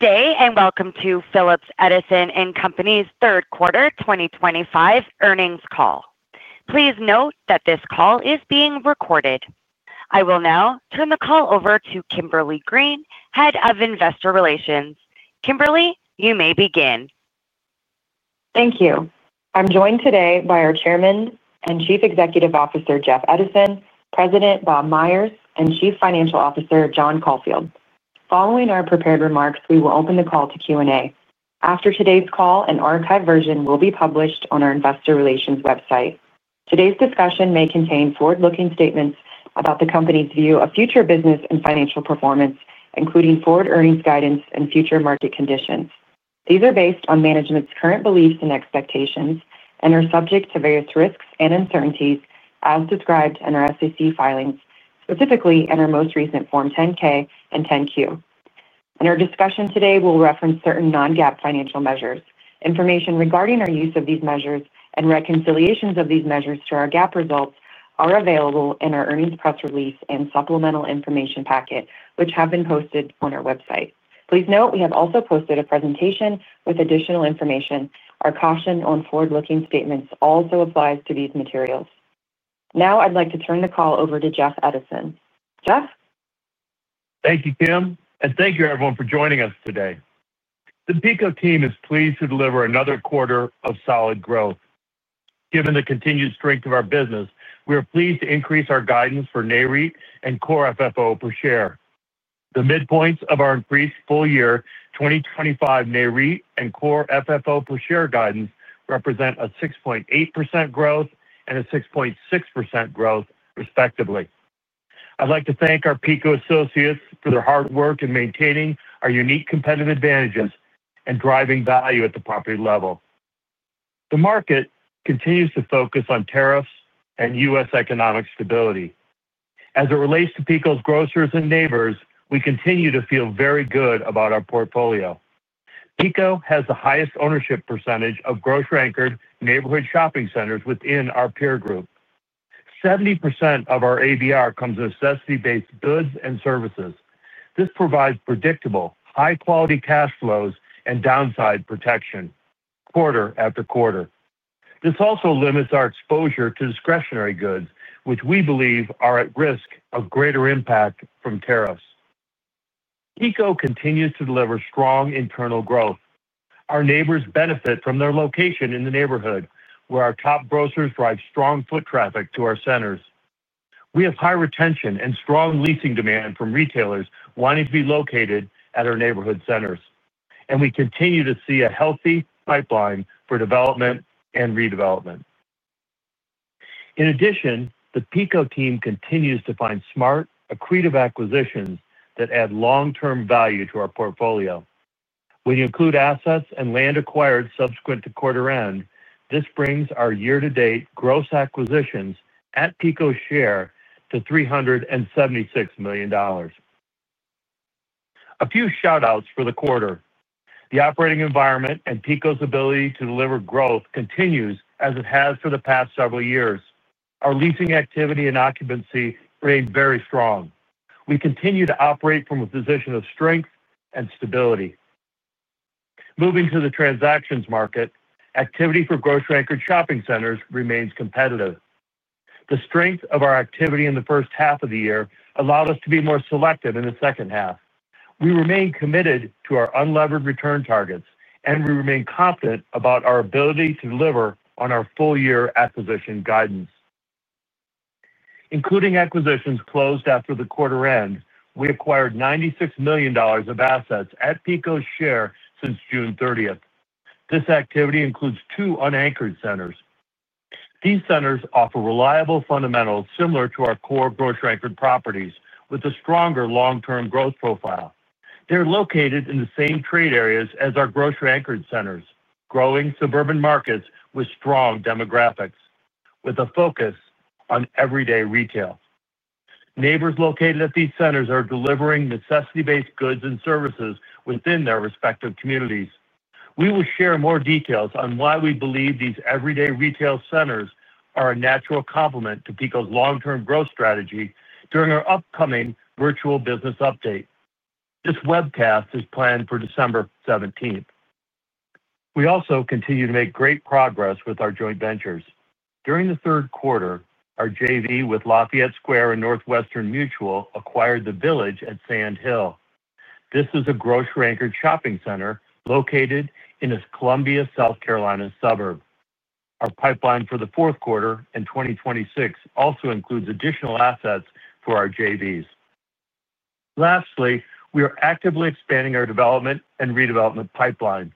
Good day and welcome to Phillips Edison & Company's third quarter 2025 earnings call. Please note that this call is being recorded. I will now turn the call over to Kimberly Green, Head of Investor Relations. Kimberly, you may begin. Thank you. I'm joined today by our Chairman and Chief Executive Officer, Jeff Edison, President Bob Myers, and Chief Financial Officer, John Caulfield. Following our prepared remarks, we will open the call to Q&A. After today's call, an archive version will be published on our Investor Relations website. Today's discussion may contain forward-looking statements about the company's view of future business and financial performance, including forward earnings guidance and future market conditions. These are based on management's current beliefs and expectations and are subject to various risks and uncertainties as described in our SEC filings, specifically in our most recent Form 10-K and 10-Q. In our discussion today, we'll reference certain non-GAAP financial measures. Information regarding our use of these measures and reconciliations of these measures to our GAAP results are available in our earnings press release and supplemental information packet, which have been posted on our website. Please note, we have also posted a presentation with additional information. Our caution on forward-looking statements also applies to these materials. Now, I'd like to turn the call over to Jeff Edison. Jeff? Thank you, Kim, and thank you everyone for joining us today. The PECO team is pleased to deliver another quarter of solid growth. Given the continued strength of our business, we are pleased to increase our guidance for NAIRI and Core FFO per share. The midpoints of our increased full-year 2025 NAIRI and Core FFO per share guidance represent a 6.8% growth and a 6.6% growth, respectively. I'd like to thank our PECO associates for their hard work in maintaining our unique competitive advantages and driving value at the property level. The market continues to focus on tariffs and U.S. economic stability. As it relates to PECO's grocers and neighbors, we continue to feel very good about our portfolio. PECO has the highest ownership percentage of grocery-anchored neighborhood shopping centers within our peer group. Seventy percent of our annual base rent comes from necessity-based goods and services. This provides predictable, high-quality cash flows and downside protection quarter after quarter. This also limits our exposure to discretionary goods, which we believe are at risk of greater impact from tariffs. PECO continues to deliver strong internal growth. Our neighbors benefit from their location in the neighborhood, where our top grocers drive strong foot traffic to our centers. We have high retention and strong leasing demand from retailers wanting to be located at our neighborhood centers, and we continue to see a healthy pipeline for development and redevelopment. In addition, the PECO team continues to find smart, accretive acquisitions that add long-term value to our portfolio. When you include assets and land acquired subsequent to quarter-end, this brings our year-to-date gross acquisitions at PECO's share to $376 million. A few shout-outs for the quarter. The operating environment and PECO's ability to deliver growth continue as it has for the past several years. Our leasing activity and occupancy remain very strong. We continue to operate from a position of strength and stability. Moving to the transactions market, activity for grocery-anchored shopping centers remains competitive. The strength of our activity in the first half of the year allowed us to be more selective in the second half. We remain committed to our unlevered return targets, and we remain confident about our ability to deliver on our full-year acquisition guidance. Including acquisitions closed after the quarter-end, we acquired $96 million of assets at PECO's share since June 30th. This activity includes two unanchored centers. These centers offer reliable fundamentals similar to our core grocery-anchored properties, with a stronger long-term growth profile. They're located in the same trade areas as our grocery-anchored centers, growing suburban markets with strong demographics, with a focus on everyday retail. Neighbors located at these centers are delivering necessity-based goods and services within their respective communities. We will share more details on why we believe these everyday retail centers are a natural complement to PECO's long-term growth strategy during our upcoming virtual business update. This webcast is planned for December 17. We also continue to make great progress with our joint ventures. During the third quarter, our JV with Lafayette Square and Northwestern Mutual acquired The Village at Sand Hill. This is a grocery-anchored shopping center located in Columbia, South Carolina suburb. Our pipeline for the fourth quarter in 2026 also includes additional assets for our JVs. Lastly, we are actively expanding our development and redevelopment pipeline.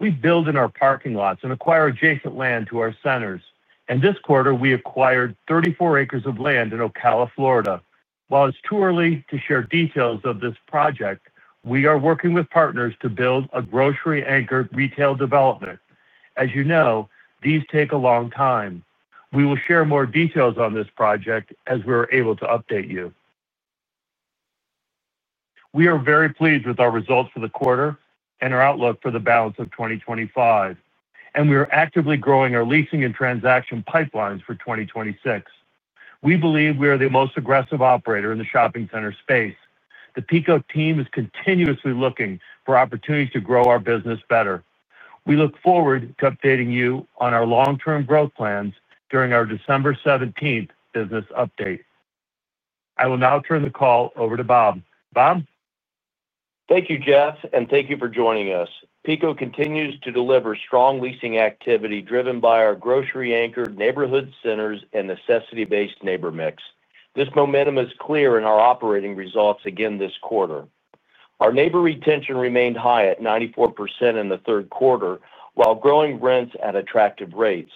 We build in our parking lots and acquire adjacent land to our centers. This quarter, we acquired 34 acres of land in Ocala, Florida. While it's too early to share details of this project, we are working with partners to build a grocery-anchored retail development. As you know, these take a long time. We will share more details on this project as we're able to update you. We are very pleased with our results for the quarter and our outlook for the balance of 2025. We are actively growing our leasing and transaction pipelines for 2026. We believe we are the most aggressive operator in the shopping center space. The PECO team is continuously looking for opportunities to grow our business better. We look forward to updating you on our long-term growth plans during our December 17 business update. I will now turn the call over to Bob. Bob? Thank you, Jeff, and thank you for joining us. PECO continues to deliver strong leasing activity driven by our grocery-anchored neighborhood centers and necessity-based neighbor mix. This momentum is clear in our operating results again this quarter. Our neighbor retention remained high at 94% in the third quarter, while growing rents at attractive rates.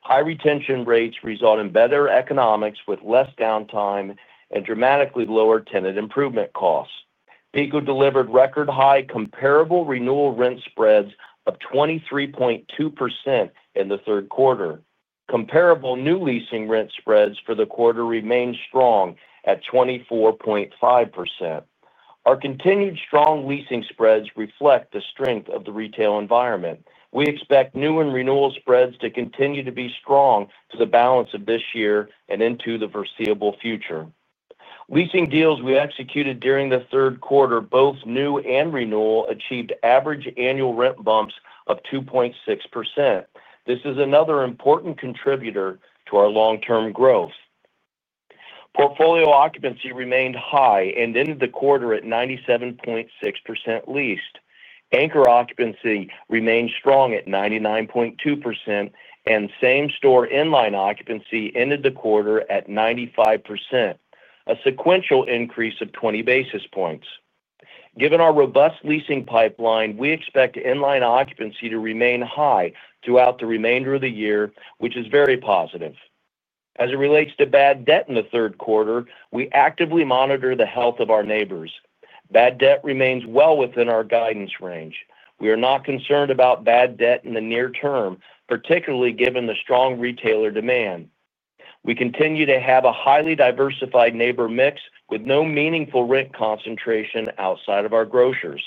High retention rates result in better economics with less downtime and dramatically lower tenant improvement costs. PECO delivered record-high comparable renewal rent spreads of 23.2% in the third quarter. Comparable new leasing rent spreads for the quarter remain strong at 24.5%. Our continued strong leasing spreads reflect the strength of the retail environment. We expect new and renewal spreads to continue to be strong for the balance of this year and into the foreseeable future. Leasing deals we executed during the third quarter, both new and renewal, achieved average annual rent bumps of 2.6%. This is another important contributor to our long-term growth. Portfolio occupancy remained high and ended the quarter at 97.6% leased. Anchor occupancy remained strong at 99.2%, and same-store inline occupancy ended the quarter at 95%, a sequential increase of 20 basis points. Given our robust leasing pipeline, we expect inline occupancy to remain high throughout the remainder of the year, which is very positive. As it relates to bad debt in the third quarter, we actively monitor the health of our neighbors. Bad debt remains well within our guidance range. We are not concerned about bad debt in the near term, particularly given the strong retailer demand. We continue to have a highly diversified neighbor mix with no meaningful rent concentration outside of our grocers.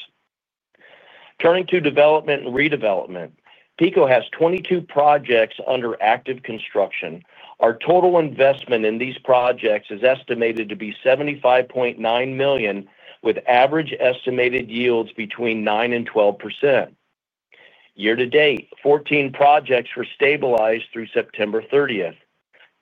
Turning to development and redevelopment, PECO has 22 projects under active construction. Our total investment in these projects is estimated to be $75.9 million, with average estimated yields between 9% and 12%. Year-to-date, 14 projects were stabilized through September 30, 2023.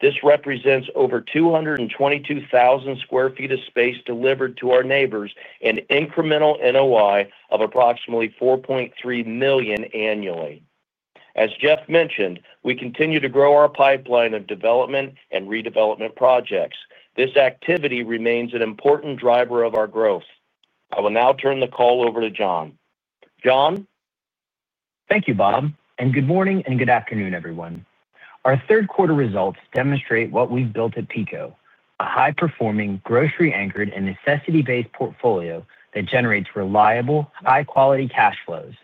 This represents over 222,000 square feet of space delivered to our neighbors and incremental NOI of approximately $4.3 million annually. As Jeff mentioned, we continue to grow our pipeline of development and redevelopment projects. This activity remains an important driver of our growth. I will now turn the call over to John. John? Thank you, Bob, and good morning and good afternoon, everyone. Our third quarter results demonstrate what we've built at PECO: a high-performing, gross-ranked, and necessity-based portfolio that generates reliable, high-quality cash flows.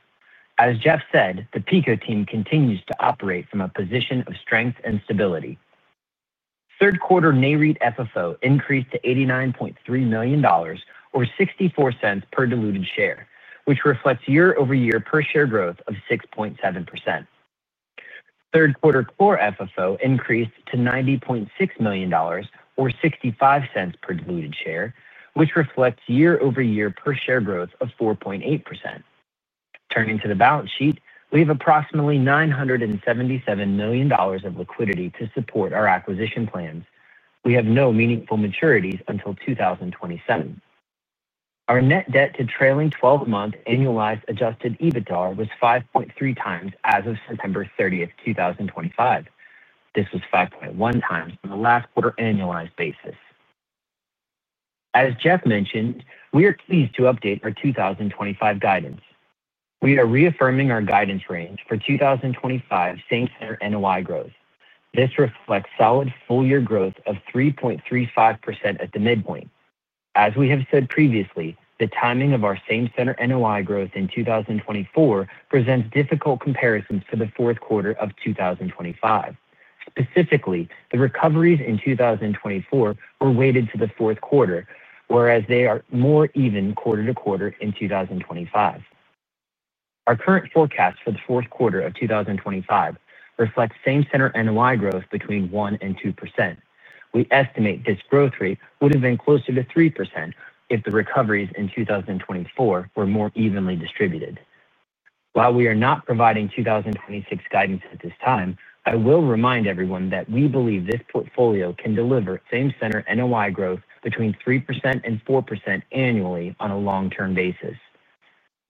As Jeff said, the PECO team continues to operate from a position of strength and stability. Third quarter NAIRI FFO increased to $89.3 million, or $0.64 per diluted share, which reflects year-over-year per share growth of 6.7%. Third quarter Core FFO increased to $90.6 million, or $0.65 per diluted share, which reflects year-over-year per share growth of 4.8%. Turning to the balance sheet, we have approximately $977 million of liquidity to support our acquisition plans. We have no meaningful maturities until 2027. Our net debt to trailing 12-month annualized adjusted EBITDA was 5.3 times as of September 30, 2025. This was 5.1 times on the last quarter annualized basis. As Jeff mentioned, we are pleased to update our 2025 guidance. We are reaffirming our guidance range for 2025 same-center NOI growth. This reflects solid full-year growth of 3.35% at the midpoint. As we have said previously, the timing of our same-center NOI growth in 2024 presents difficult comparisons for the fourth quarter of 2025. Specifically, the recoveries in 2024 were weighted to the fourth quarter, whereas they are more even quarter to quarter in 2025. Our current forecast for the fourth quarter of 2025 reflects same-center NOI growth between 1% and 2%. We estimate this growth rate would have been closer to 3% if the recoveries in 2024 were more evenly distributed. While we are not providing 2026 guidance at this time, I will remind everyone that we believe this portfolio can deliver same-center NOI growth between 3% and 4% annually on a long-term basis.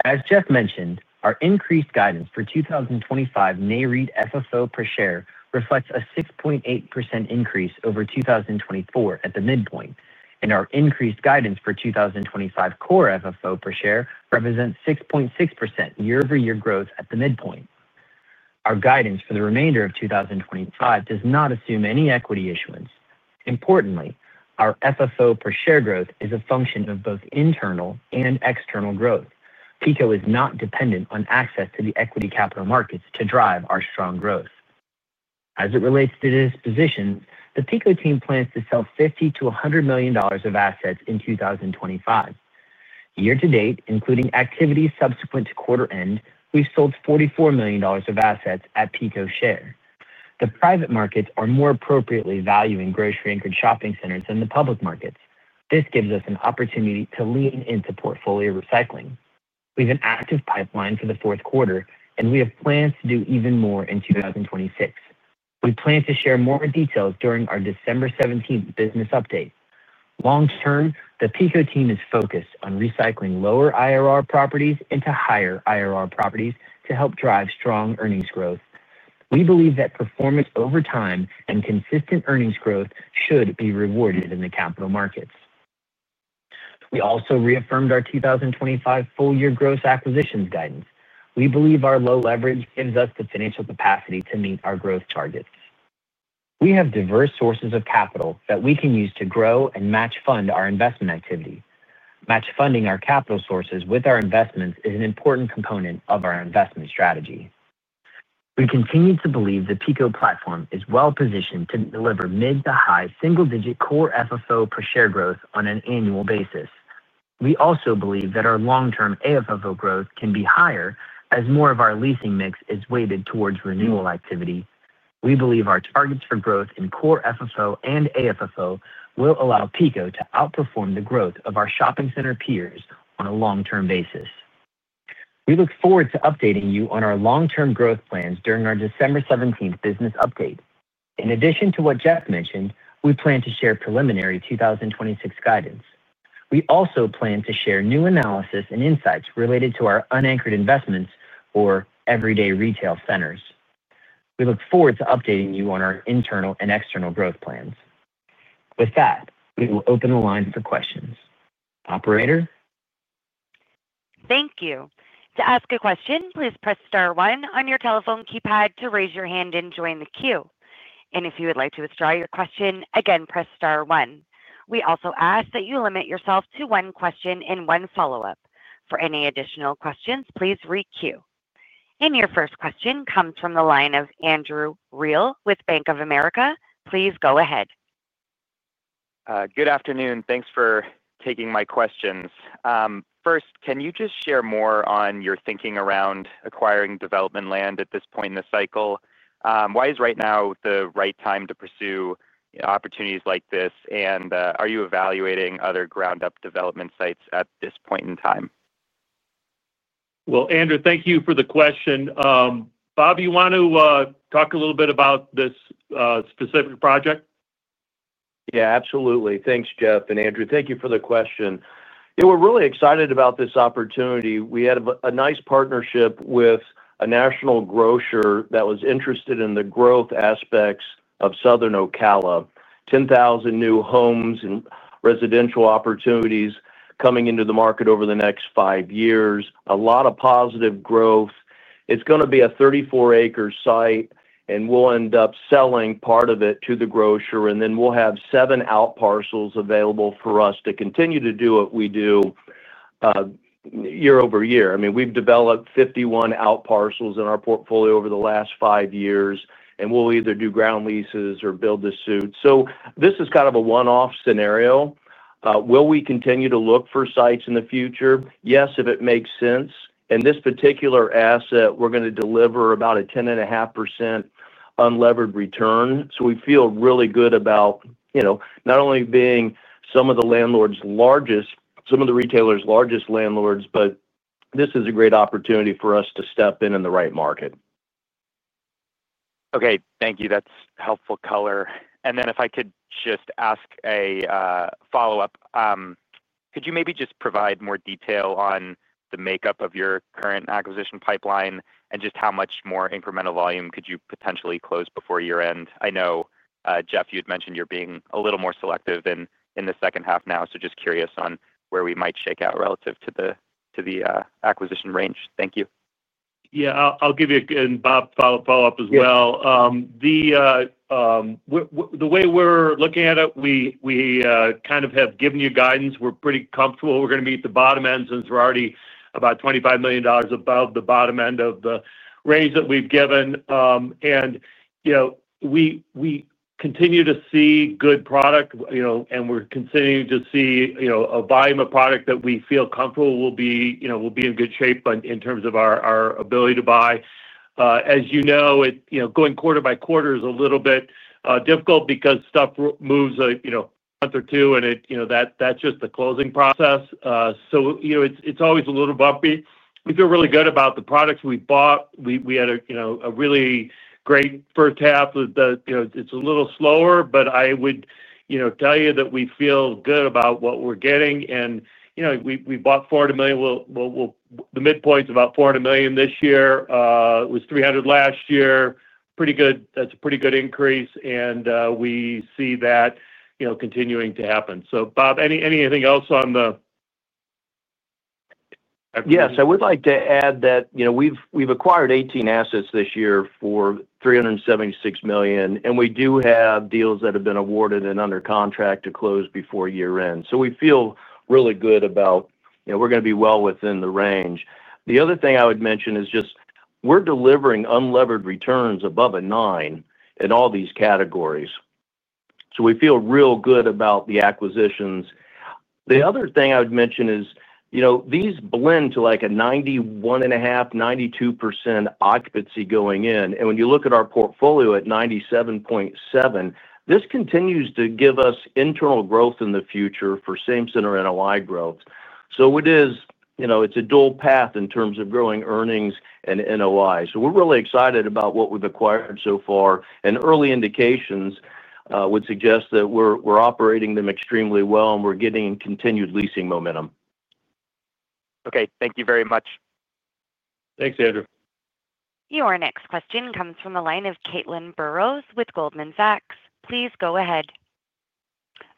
As Jeff mentioned, our increased guidance for 2025 NAIRI FFO per share reflects a 6.8% increase over 2024 at the midpoint, and our increased guidance for 2025 Core FFO per share represents 6.6% year-over-year growth at the midpoint. Our guidance for the remainder of 2025 does not assume any equity issuance. Importantly, our FFO per share growth is a function of both internal and external growth. PECO is not dependent on access to the equity capital markets to drive our strong growth. As it relates to dispositions, the PECO team plans to sell $50 million to $100 million of assets in 2025. Year-to-date, including activities subsequent to quarter-end, we've sold $44 million of assets at PECO share. The private markets are more appropriately valuing grocery-anchored shopping centers than the public markets. This gives us an opportunity to lean into portfolio recycling. We have an active pipeline for the fourth quarter, and we have plans to do even more in 2026. We plan to share more details during our December 17th business update. Long-term, the PECO team is focused on recycling lower IRR properties into higher IRR properties to help drive strong earnings growth. We believe that performance over time and consistent earnings growth should be rewarded in the capital markets. We also reaffirmed our 2025 full-year gross acquisitions guidance. We believe our low leverage gives us the financial capacity to meet our growth targets. We have diverse sources of capital that we can use to grow and match fund our investment activity. Match funding our capital sources with our investments is an important component of our investment strategy. We continue to believe the PECO platform is well-positioned to deliver mid-to-high single-digit Core FFO per share growth on an annual basis. We also believe that our long-term AFFO growth can be higher as more of our leasing mix is weighted towards renewal activity. We believe our targets for growth in Core FFO and AFFO will allow PECO to outperform the growth of our shopping center peers on a long-term basis. We look forward to updating you on our long-term growth plans during our December 17th business update. In addition to what Jeff mentioned, we plan to share preliminary 2026 guidance. We also plan to share new analysis and insights related to our unanchored investments or everyday retail centers. We look forward to updating you on our internal and external growth plans. With that, we will open the line for questions. Operator? Thank you. To ask a question, please press star one on your telephone keypad to raise your hand and join the queue. If you would like to withdraw your question, again press star one. We also ask that you limit yourself to one question and one follow-up. For any additional questions, please re-queue. Your first question comes from the line of Andrew Reel with Bank of America. Please go ahead. Good afternoon. Thanks for taking my questions. First, can you just share more on your thinking around acquiring development land at this point in the cycle? Why is right now the right time to pursue opportunities like this, and are you evaluating other ground-up development sites at this point in time? Thank you for the question, Andrew. Bob, you want to talk a little bit about this specific project? Yeah, absolutely. Thanks, Jeff and Andrew. Thank you for the question. You know, we're really excited about this opportunity. We had a nice partnership with a national grocer that was interested in the growth aspects of Southern Ocala. 10,000 new homes and residential opportunities coming into the market over the next five years. A lot of positive growth. It's going to be a 34-acre site, and we'll end up selling part of it to the grocer, and then we'll have seven out parcels available for us to continue to do what we do year over year. I mean, we've developed 51 out parcels in our portfolio over the last five years, and we'll either do ground leases or build to suit. This is kind of a one-off scenario. Will we continue to look for sites in the future? Yes, if it makes sense. This particular asset, we're going to deliver about a 10.5% unlevered return. We feel really good about, you know, not only being some of the retailers' largest landlords, but this is a great opportunity for us to step in in the right market. Okay, thank you. That's helpful color. If I could just ask a follow-up, could you maybe just provide more detail on the makeup of your current acquisition pipeline and just how much more incremental volume could you potentially close before year-end? I know, Jeff, you had mentioned you're being a little more selective in the second half now, just curious on where we might shake out relative to the acquisition range. Thank you. Yeah, I'll give you a, and Bob, follow-up as well. The way we're looking at it, we kind of have given you guidance. We're pretty comfortable. We're going to be at the bottom end since we're already about $25 million above the bottom end of the range that we've given. You know, we continue to see good product, and we're continuing to see a volume of product that we feel comfortable will be in good shape in terms of our ability to buy. As you know, going quarter by quarter is a little bit difficult because stuff moves a month or two, and that's just the closing process. It's always a little bumpy. We feel really good about the products we bought. We had a really great first half that, you know, it's a little slower, but I would tell you that we feel good about what we're getting. You know, we bought $400 million. The midpoint's about $400 million this year. It was $300 million last year. Pretty good. That's a pretty good increase, and we see that continuing to happen. Bob, anything else on the? Yes, I would like to add that we've acquired 18 assets this year for $376 million, and we do have deals that have been awarded and under contract to close before year-end. We feel really good about we're going to be well within the range. The other thing I would mention is we're delivering unlevered returns above a 9 in all these categories. We feel real good about the acquisitions. The other thing I would mention is these blend to like a 91.5%, 92% occupancy going in. When you look at our portfolio at 97.7%, this continues to give us internal growth in the future for same-center NOI growth. It is a dual path in terms of growing earnings and NOI. We're really excited about what we've acquired so far, and early indications would suggest that we're operating them extremely well, and we're getting continued leasing momentum. Okay, thank you very much. Thanks, Andrew. Your next question comes from the line of Caitlin Burrows with Goldman Sachs. Please go ahead.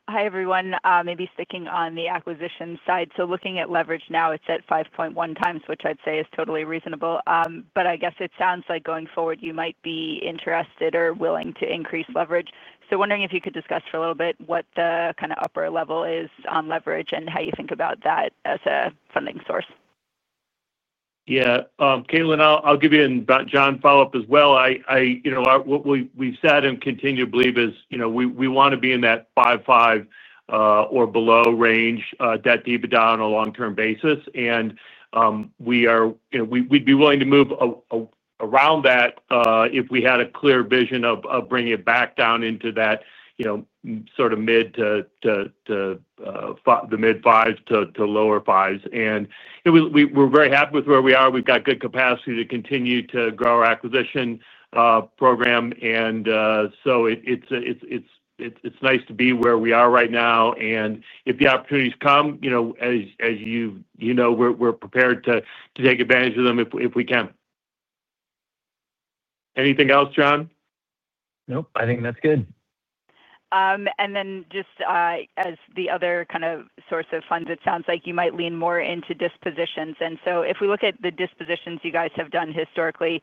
Hi, everyone. Maybe sticking on the acquisition side, looking at leverage now, it's at 5.1 times, which I'd say is totally reasonable. I guess it sounds like going forward, you might be interested or willing to increase leverage. Wondering if you could discuss for a little bit what the kind of upper level is on leverage and how you think about that as a funding source. Yeah, Caitlin, I'll give you and John follow-up as well. What we've said and continue to believe is, you know, we want to be in that 5.5% or below range net debt to EBITDA on a long-term basis. We are, you know, we'd be willing to move around that if we had a clear vision of bringing it back down into that, you know, sort of mid to the mid 5s to lower 5s. We're very happy with where we are. We've got good capacity to continue to grow our acquisition program. It's nice to be where we are right now. If the opportunities come, you know, as you know, we're prepared to take advantage of them if we can. Anything else, John? Nope, I think that's good. Just as the other kind of source of funds, it sounds like you might lean more into dispositions. If we look at the dispositions you guys have done historically,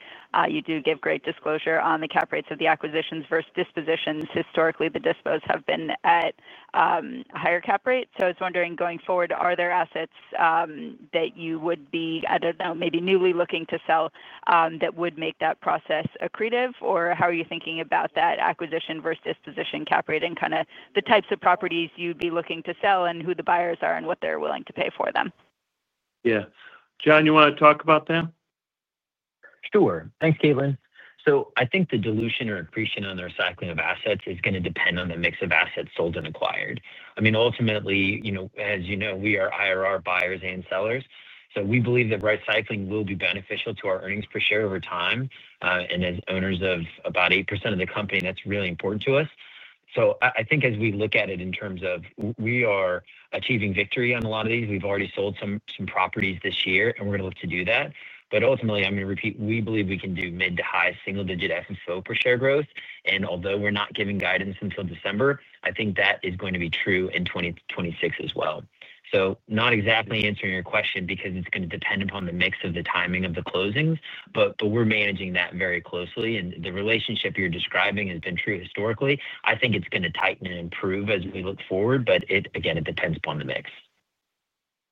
you do give great disclosure on the cap rates of the acquisitions versus dispositions. Historically, the dispositions have been at higher cap rates. I was wondering, going forward, are there assets that you would be, I don't know, maybe newly looking to sell that would make that process accretive? How are you thinking about that acquisition versus disposition cap rate and the types of properties you'd be looking to sell and who the buyers are and what they're willing to pay for them? Yeah. John, you want to talk about that? Sure. Thanks, Caitlin. I think the dilution or accretion on the recycling of assets is going to depend on the mix of assets sold and acquired. Ultimately, as you know, we are IRR buyers and sellers. We believe that recycling will be beneficial to our earnings per share over time. As owners of about 8% of the company, that's really important to us. I think as we look at it in terms of we are achieving victory on a lot of these. We've already sold some properties this year, and we're going to look to do that. Ultimately, I'm going to repeat, we believe we can do mid-to-high single-digit FFO per share growth. Although we're not giving guidance until December, I think that is going to be true in 2026 as well. Not exactly answering your question because it's going to depend upon the mix of the timing of the closings, but we're managing that very closely. The relationship you're describing has been true historically. I think it's going to tighten and improve as we look forward, but again, it depends upon the mix.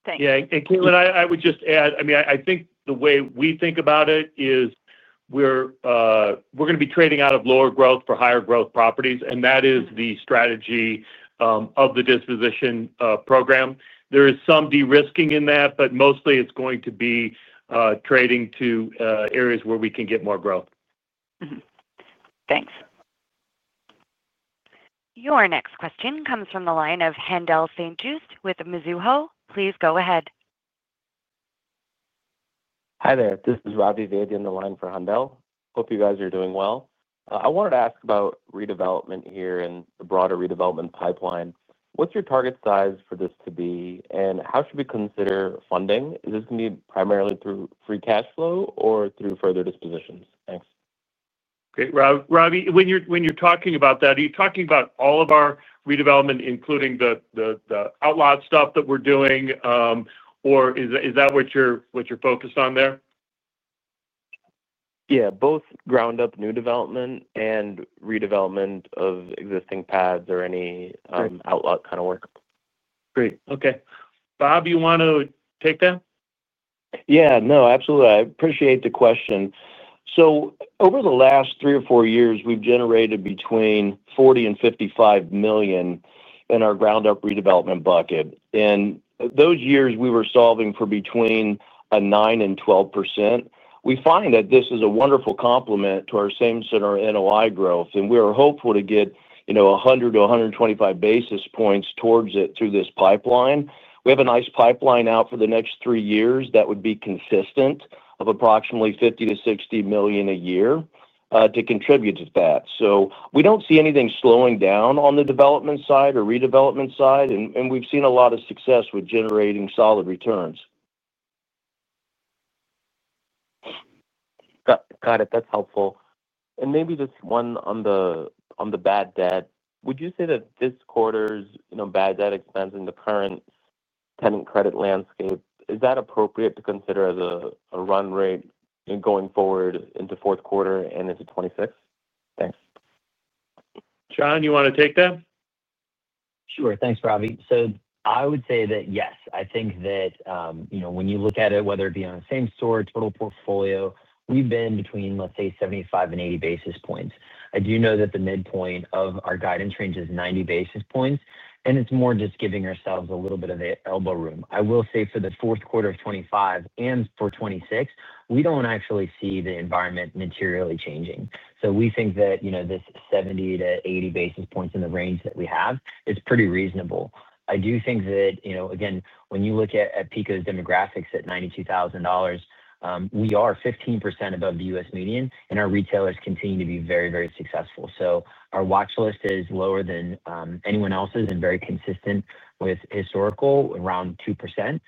Thanks. Yeah, Caitlin, I would just add, I mean, I think the way we think about it is we're going to be trading out of lower growth for higher growth properties, and that is the strategy of the disposition program. There is some de-risking in that, but mostly it's going to be trading to areas where we can get more growth. Thanks. Your next question comes from the line of Handel St. Juste with Mizuho. Please go ahead. Hi there. This is Ravi Vedi on the line for Handel. Hope you guys are doing well. I wanted to ask about redevelopment here and the broader redevelopment pipeline. What's your target size for this to be, and how should we consider funding? Is this going to be primarily through free cash flow or through further dispositions? Thanks. Okay, Ravi, when you're talking about that, are you talking about all of our redevelopment, including the outlot stuff that we're doing, or is that what you're focused on there? Yeah, both ground-up new development and redevelopment of existing pads or any outlot kind of work. Great. Okay. Bob, you want to take that? Yeah, no, absolutely. I appreciate the question. Over the last three or four years, we've generated between $40 million and $55 million in our ground-up redevelopment bucket. In those years, we were solving for between a 9% and 12%. We find that this is a wonderful complement to our same-center NOI growth, and we are hopeful to get 100 to 125 basis points towards it through this pipeline. We have a nice pipeline out for the next three years that would be consistent of approximately $50 million to $60 million a year to contribute to that. We don't see anything slowing down on the development side or redevelopment side, and we've seen a lot of success with generating solid returns. Got it. That's helpful. Maybe just one on the bad debt. Would you say that this quarter's bad debt expense in the current tenant credit landscape is appropriate to consider as a run rate going forward into fourth quarter and into 2026? Thanks. John, you want to take that? Sure. Thanks, Ravi. I would say that yes, I think that when you look at it, whether it be on a same-store, total portfolio, we've been between, let's say, 75 and 80 basis points. I do know that the midpoint of our guidance range is 90 basis points, and it's more just giving ourselves a little bit of the elbow room. I will say for the fourth quarter of 2025 and for 2026, we don't actually see the environment materially changing. We think that this 70 to 80 basis points in the range that we have is pretty reasonable. I do think that when you look at PECO's demographics at $92,000, we are 15% above the U.S. median, and our retailers continue to be very, very successful. Our watch list is lower than anyone else's and very consistent with historical around 2%.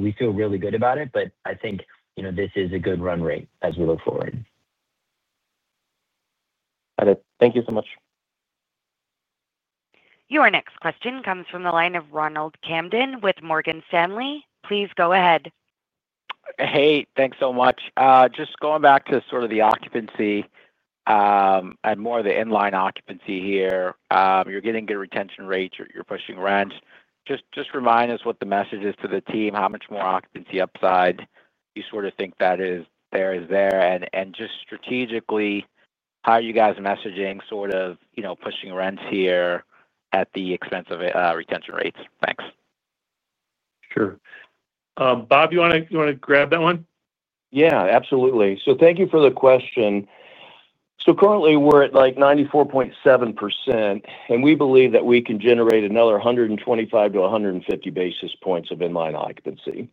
We feel really good about it, but I think this is a good run rate as we look forward. Got it. Thank you so much. Your next question comes from the line of Ronald Camden with Morgan Stanley. Please go ahead. Hey, thanks so much. Just going back to the occupancy and more of the inline occupancy here, you're getting good retention rates. You're pushing rent. Just remind us what the message is to the team, how much more occupancy upside you think there is, and just strategically, how are you guys messaging pushing rents here at the expense of retention rates? Thanks. Sure. Bob, you want to grab that one? Yeah, absolutely. Thank you for the question. Currently, we're at 94.7%, and we believe that we can generate another 125 to 150 basis points of inline occupancy.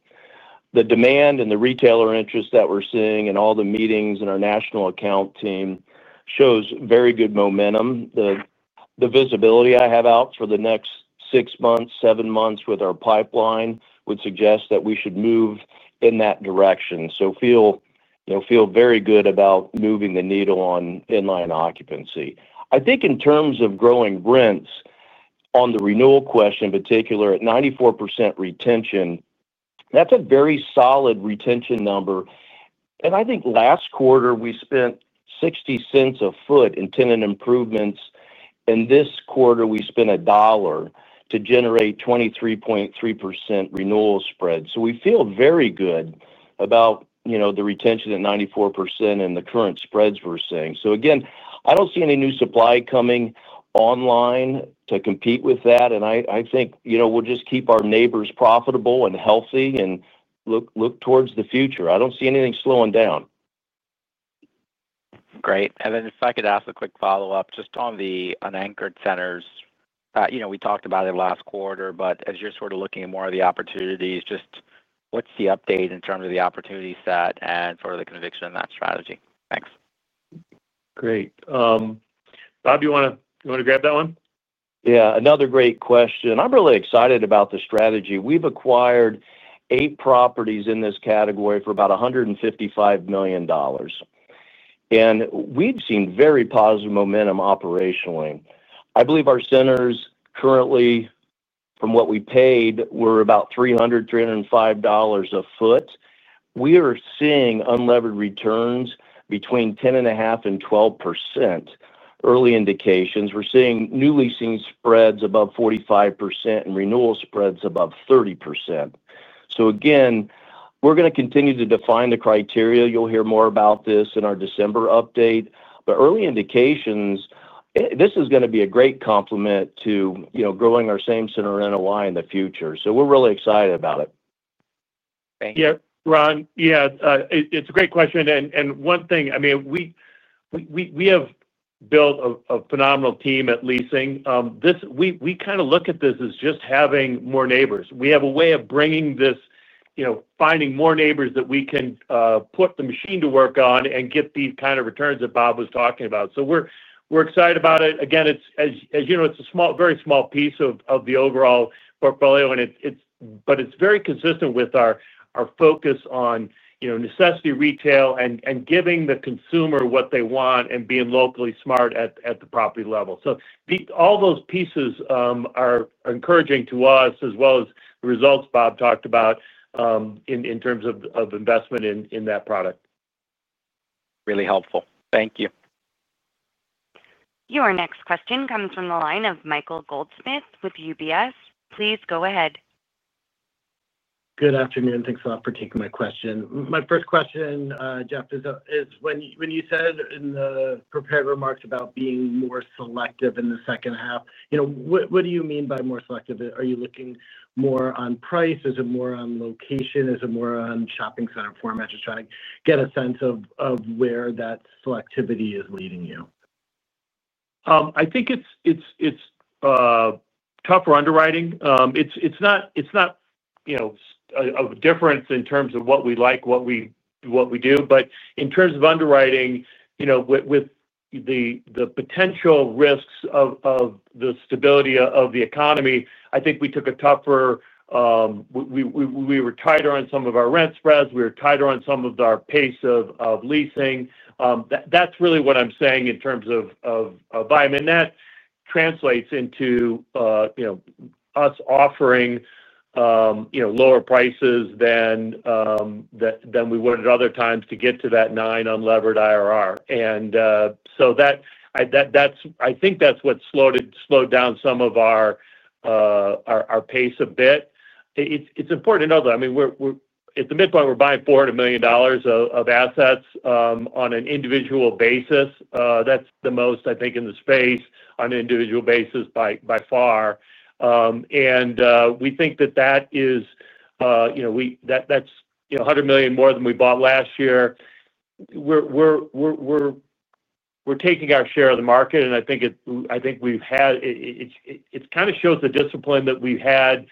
The demand and the retailer interest that we're seeing and all the meetings and our national account team shows very good momentum. The visibility I have out for the next six months, seven months with our pipeline would suggest that we should move in that direction. I feel very good about moving the needle on inline occupancy. I think in terms of growing rents on the renewal question, in particular, at 94% retention, that's a very solid retention number. I think last quarter, we spent $0.60 a foot in tenant improvements, and this quarter, we spent $1.00 to generate 23.3% renewal spread. We feel very good about the retention at 94% and the current spreads we're seeing. I don't see any new supply coming online to compete with that. I think we'll just keep our neighbors profitable and healthy and look towards the future. I don't see anything slowing down. Great. If I could ask a quick follow-up just on the unanchored centers, we talked about it last quarter, but as you're sort of looking at more of the opportunities, what's the update in terms of the opportunity set and the conviction in that strategy? Thanks. Great. Bob, you want to grab that one? Yeah, another great question. I'm really excited about the strategy. We've acquired eight properties in this category for about $155 million, and we've seen very positive momentum operationally. I believe our centers currently, from what we paid, were about $300, $305 a foot. We are seeing unlevered returns between 10.5% and 12%. Early indications, we're seeing new leasing spreads above 45% and renewal spreads above 30%. You'll hear more about this in our December update. Early indications, this is going to be a great complement to, you know, growing our same-center NOI in the future. We're really excited about it. Yeah, Ron, it's a great question. One thing, we have built a phenomenal team at leasing. We kind of look at this as just having more neighbors. We have a way of bringing this, you know, finding more neighbors that we can put the machine to work on and get the kind of returns that Bob was talking about. We're excited about it. Again, as you know, it's a very small piece of the overall portfolio, but it's very consistent with our focus on necessity retail and giving the consumer what they want and being locally smart at the property level. All those pieces are encouraging to us, as well as the results Bob talked about in terms of investment in that product. Really helpful. Thank you. Your next question comes from the line of Michael Goldsmith with UBS. Please go ahead. Good afternoon. Thanks a lot for taking my question. My first question, Jeff, is when you said in the prepared remarks about being more selective in the second half, what do you mean by more selective? Are you looking more on price? Is it more on location? Is it more on shopping center format? Just trying to get a sense of where that selectivity is leading you. I think it's tough for underwriting. It's not a difference in terms of what we like, what we do. In terms of underwriting, with the potential risks of the stability of the economy, I think we took a tougher, we were tighter on some of our rent spreads. We were tighter on some of our pace of leasing. That's really what I'm saying in terms of volume. That translates into us offering lower prices than we would at other times to get to that 9% unlevered IRR. I think that's what slowed down some of our pace a bit. It's important to know, though, we're at the midpoint, we're buying $400 million of assets on an individual basis. That's the most, I think, in the space on an individual basis by far. We think that is $100 million more than we bought last year. We're taking our share of the market, and I think it kind of shows the discipline that we've had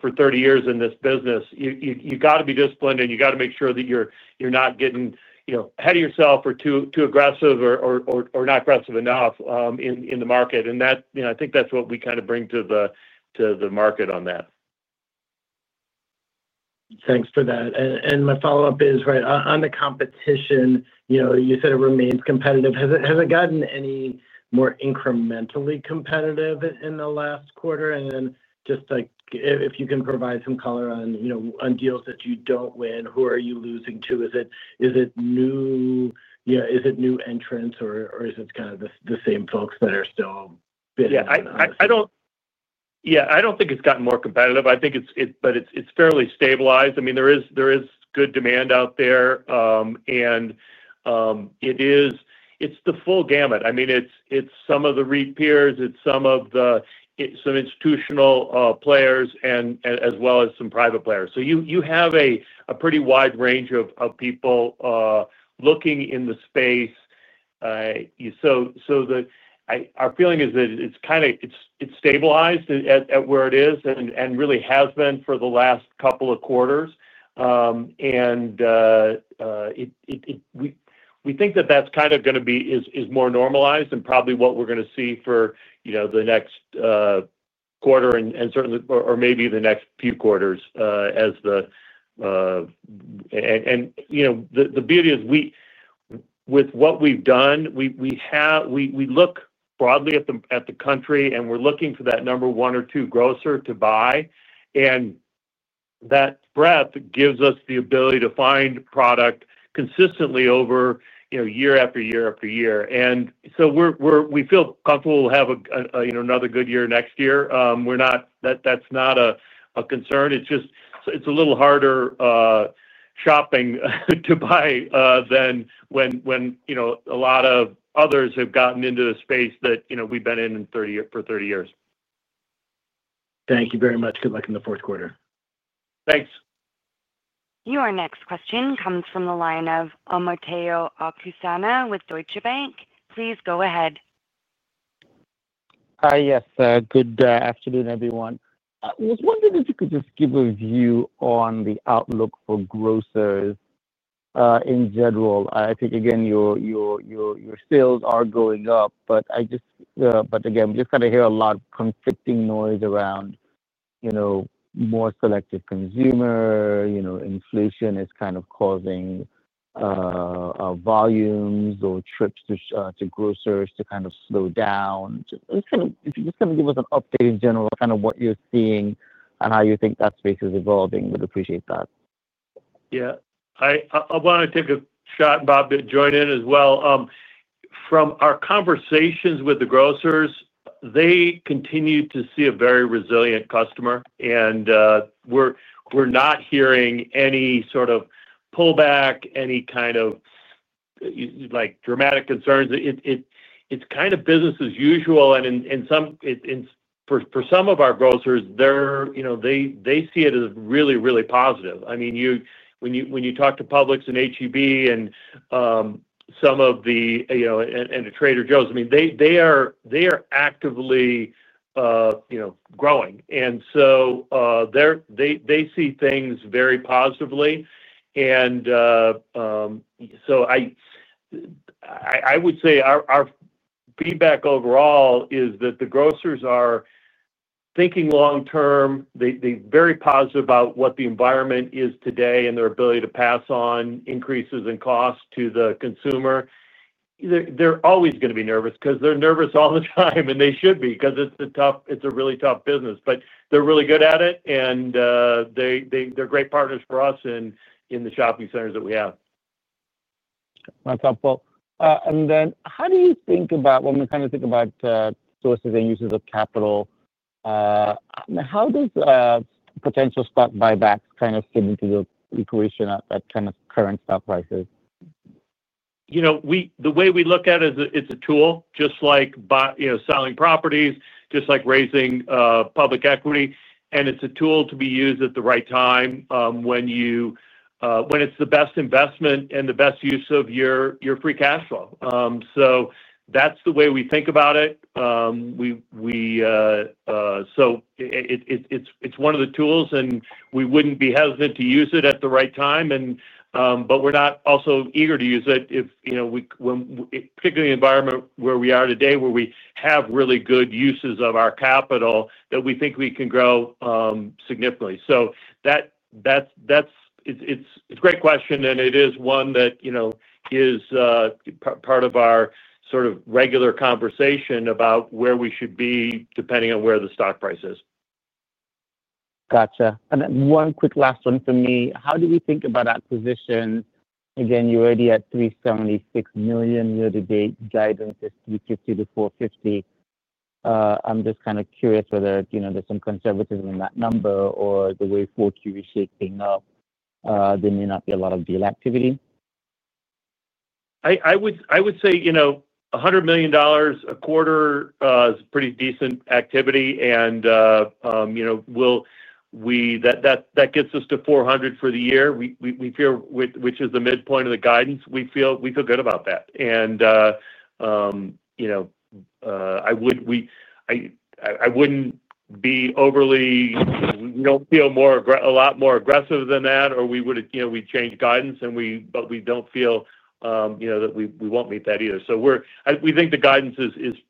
for 30 years in this business. You've got to be disciplined, and you've got to make sure that you're not getting ahead of yourself or too aggressive or not aggressive enough in the market. I think that's what we kind of bring to the market on that. Thanks for that. My follow-up is, on the competition, you said it remains competitive. Has it gotten any more incrementally competitive in the last quarter? If you can provide some color on deals that you don't win, who are you losing to? Is it new entrants or is it kind of the same folks that are still bidding? Yeah, I don't think it's gotten more competitive. I think it's, but it's fairly stabilized. I mean, there is good demand out there, and it's the full gamut. I mean, it's some of the repeaters, it's some of the institutional players, as well as some private players. You have a pretty wide range of people looking in the space. Our feeling is that it's kind of stabilized at where it is and really has been for the last couple of quarters. We think that that's kind of going to be more normalized and probably what we're going to see for the next quarter and certainly, or maybe the next few quarters. The beauty is with what we've done, we look broadly at the country, and we're looking for that number one or two grocer to buy. That breadth gives us the ability to find product consistently over year after year after year. We feel comfortable we'll have another good year next year. We're not, that's not a concern. It's just, it's a little harder shopping to buy than when a lot of others have gotten into the space that we've been in for 30 years. Thank you very much. Good luck in the fourth quarter. Thanks. Your next question comes from the line of Amateo Akusana with Deutsche Bank. Please go ahead. Hi, yes. Good afternoon, everyone. I was wondering if you could just give a view on the outlook for grocers in general. I think your sales are going up, but we just hear a lot of conflicting noise around a more selective consumer. Inflation is kind of causing volumes or trips to grocers to slow down. If you could just give us an update in general on what you're seeing and how you think that space is evolving, we'd appreciate that. Yeah, I want to take a shot, Bob, to join in as well. From our conversations with the grocers, they continue to see a very resilient customer, and we're not hearing any sort of pullback, any kind of dramatic concerns. It's kind of business as usual. For some of our grocers, they see it as really, really positive. I mean, when you talk to Publix and HEB and Trader Joe's, they are actively growing. They see things very positively. I would say our feedback overall is that the grocers are thinking long-term. They're very positive about what the environment is today and their ability to pass on increases in cost to the consumer. They're always going to be nervous because they're nervous all the time, and they should be because it's a really tough business. They're really good at it, and they're great partners for us in the shopping centers that we have. That's helpful. How do you think about when we kind of think about sources and uses of capital, how does potential stock buybacks kind of fit into the equation at that kind of current stock prices? You know, the way we look at it is it's a tool, just like selling properties, just like raising public equity. It's a tool to be used at the right time when it's the best investment and the best use of your free cash flow. That's the way we think about it. It's one of the tools, and we wouldn't be hesitant to use it at the right time. We're not also eager to use it if, particularly in the environment where we are today, we have really good uses of our capital that we think we can grow significantly. That's a great question, and it is one that is part of our sort of regular conversation about where we should be depending on where the stock price is. Gotcha. One quick last one for me. How do we think about acquisitions? You're already at $376 million year-to-date, guidance is $350 million to $450 million. I'm just kind of curious whether there's some conservatism in that number or if the way the forecast is shaping up, there may not be a lot of deal activity. I would say, you know, $100 million a quarter is a pretty decent activity. You know, that gets us to $400 million for the year, which is the midpoint of the guidance. We feel good about that. I wouldn't be overly, you know, we don't feel a lot more aggressive than that, or we would, you know, we'd change guidance, but we don't feel, you know, that we won't meet that either. We think the guidance is a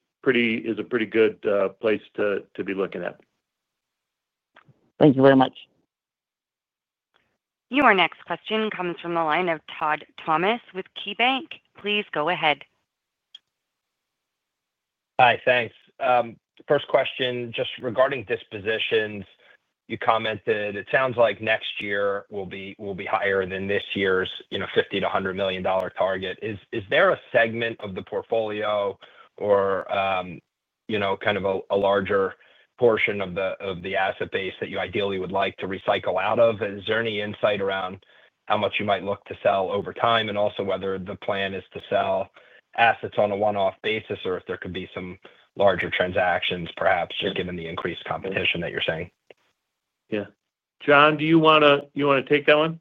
pretty good place to be looking at. Thank you very much. Your next question comes from the line of Todd Thomas with KeyBank. Please go ahead. Hi, thanks. First question, just regarding dispositions, you commented, it sounds like next year will be higher than this year's $50 to $100 million target. Is there a segment of the portfolio or kind of a larger portion of the asset base that you ideally would like to recycle out of? Is there any insight around how much you might look to sell over time and also whether the plan is to sell assets on a one-off basis or if there could be some larger transactions, perhaps just given the increased competition that you're seeing? Yeah, John, do you want to take that one?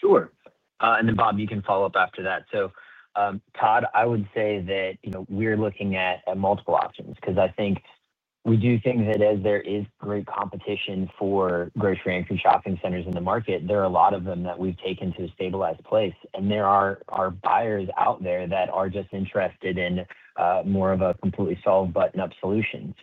Sure. Bob, you can follow up after that. Todd, I would say that we're looking at multiple options because we do think that as there is great competition for grocery-anchored neighborhood shopping centers in the market, there are a lot of them that we've taken to a stabilized place. There are buyers out there that are just interested in more of a completely solved button-up solution.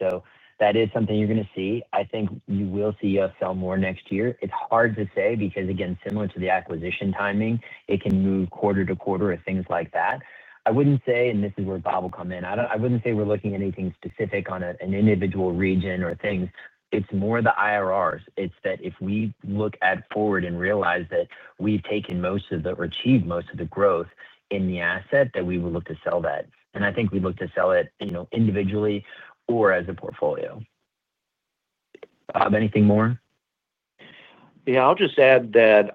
That is something you're going to see. I think you will see us sell more next year. It's hard to say because, again, similar to the acquisition timing, it can move quarter to quarter or things like that. I wouldn't say, and this is where Bob will come in, I wouldn't say we're looking at anything specific on an individual region or things. It's more the IRRs. If we look at forward and realize that we've taken most of the or achieved most of the growth in the asset, we will look to sell that. I think we look to sell it individually or as a portfolio. Bob, anything more? Yeah, I'll just add that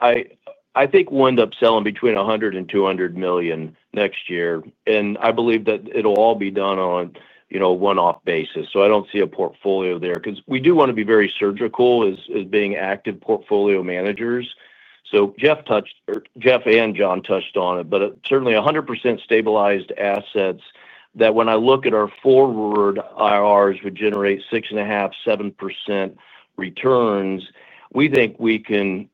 I think we'll end up selling between $100 million and $200 million next year. I believe that it'll all be done on a one-off basis. I don't see a portfolio there because we do want to be very surgical as being active portfolio managers. Jeff touched, or Jeff and John touched on it, but certainly 100% stabilized assets that when I look at our forward IRRs would generate 6.5% to 7.5% returns. We think we can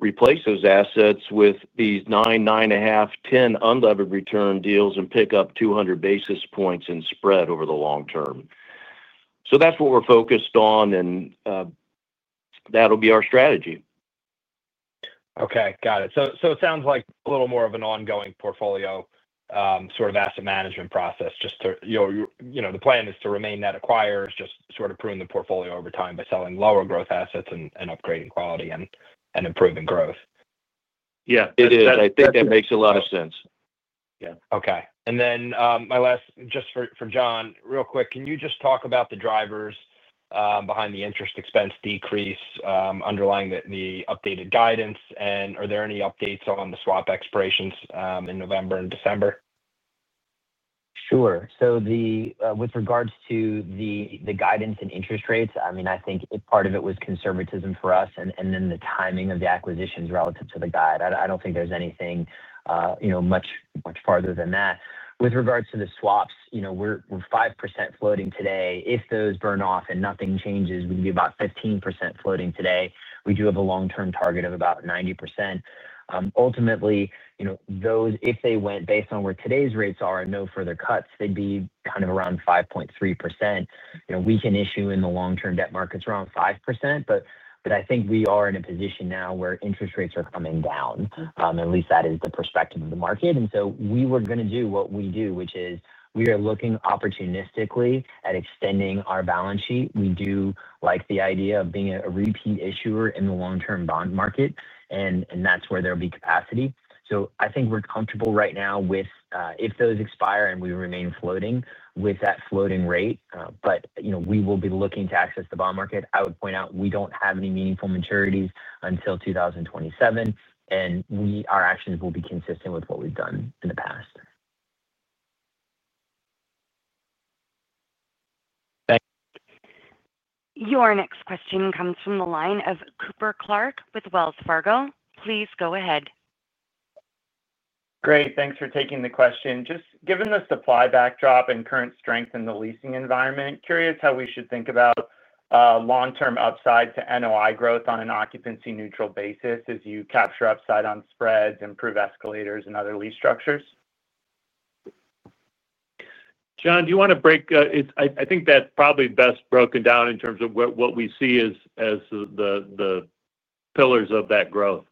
replace those assets with these 9%, 9.5%, 10% unlevered return deals and pick up 200 basis points in spread over the long term. That's what we're focused on, and that'll be our strategy. Okay, got it. It sounds like a little more of an ongoing portfolio sort of asset management process. The plan is to remain that acquired, just sort of prune the portfolio over time by selling lower growth assets and upgrading quality and improving growth. Yeah, I think that makes a lot of sense. Okay. My last, just for John, real quick, can you just talk about the drivers behind the interest expense decrease underlying the updated guidance? Are there any updates on the swap expirations in November and December? Sure. With regards to the guidance and interest rates, I think part of it was conservatism for us and then the timing of the acquisitions relative to the guide. I don't think there's anything much farther than that. With regards to the swaps, we're 5% floating today. If those burn off and nothing changes, we'd be about 15% floating today. We do have a long-term target of about 90%. Ultimately, if they went based on where today's rates are and no further cuts, they'd be kind of around 5.3%. We can issue in the long-term debt markets around 5%, but I think we are in a position now where interest rates are coming down. At least that is the perspective of the market. We are looking opportunistically at extending our balance sheet. We do like the idea of being a repeat issuer in the long-term bond market, and that's where there'll be capacity. I think we're comfortable right now with if those expire and we remain floating with that floating rate, but we will be looking to access the bond market. I would point out we don't have any meaningful maturities until 2027, and our actions will be consistent with what we've done in the past. Thanks. Your next question comes from the line of Cooper Clark with Wells Fargo. Please go ahead. Great. Thanks for taking the question. Just given the supply backdrop and current strength in the leasing environment, curious how we should think about long-term upside to NOI growth on an occupancy-neutral basis as you capture upside on spreads, improve escalators, and other lease structures. John, do you want to break? I think that's probably best broken down in terms of what we see as the pillars of that growth.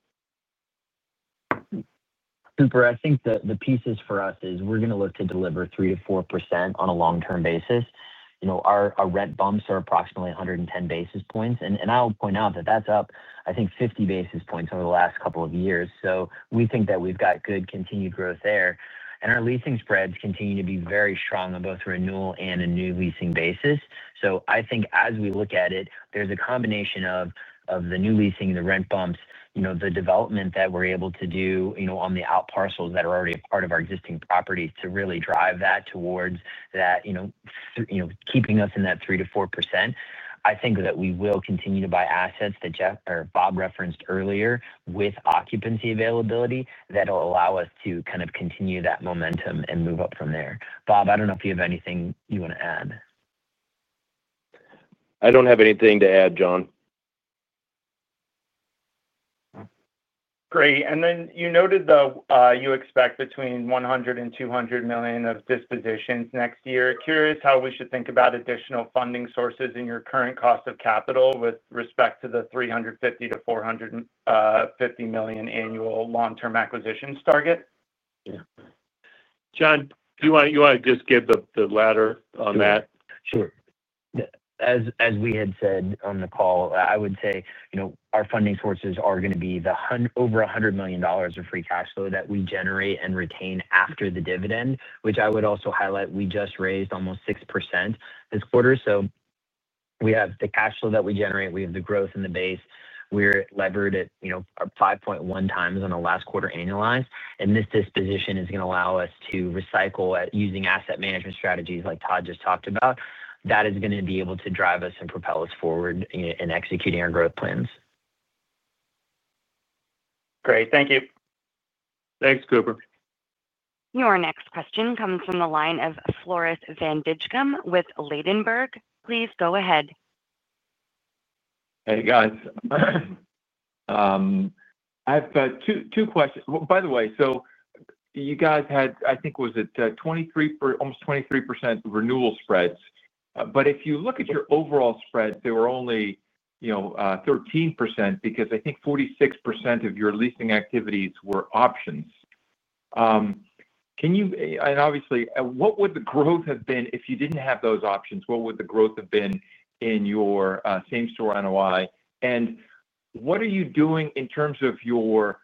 Cooper, I think the pieces for us is we're going to look to deliver 3% to 4% on a long-term basis. Our rent bumps are approximately 110 basis points. I'll point out that that's up, I think, 50 basis points over the last couple of years. We think that we've got good continued growth there. Our leasing spreads continue to be very strong on both renewal and new leasing basis. I think as we look at it, there's a combination of the new leasing, the rent bumps, the development that we're able to do on the out parcels that are already a part of our existing properties to really drive that towards that, keeping us in that 3% to 4%. I think that we will continue to buy assets that Jeff or Bob referenced earlier with occupancy availability that will allow us to continue that momentum and move up from there. Bob, I don't know if you have anything you want to add. I don't have anything to add, John. Great. You noted you expect between $100 million and $200 million of dispositions next year. Curious how we should think about additional funding sources in your current cost of capital with respect to the $350 million to $450 million annual long-term acquisitions target. Yeah. John, do you want to just give the latter on that? Sure. As we had said on the call, I would say our funding sources are going to be the over $100 million of free cash flow that we generate and retain after the dividend, which I would also highlight we just raised almost 6% this quarter. We have the cash flow that we generate. We have the growth in the base. We're levered at 5.1 times on the last quarter annualized. This disposition is going to allow us to recycle using asset management strategies like Todd just talked about. That is going to be able to drive us and propel us forward in executing our growth plans. Great. Thank you. Thanks, Cooper. Your next question comes from the line of Floris van Dijkum with Ladenburg. Please go ahead. Hey, guys. I've got two questions. By the way, you guys had, I think, was it 23%, almost 23% renewal spreads? If you look at your overall spread, they were only, you know, 13% because I think 46% of your leasing activities were options. Can you, and obviously, what would the growth have been if you didn't have those options? What would the growth have been in your same-center NOI? What are you doing in terms of your,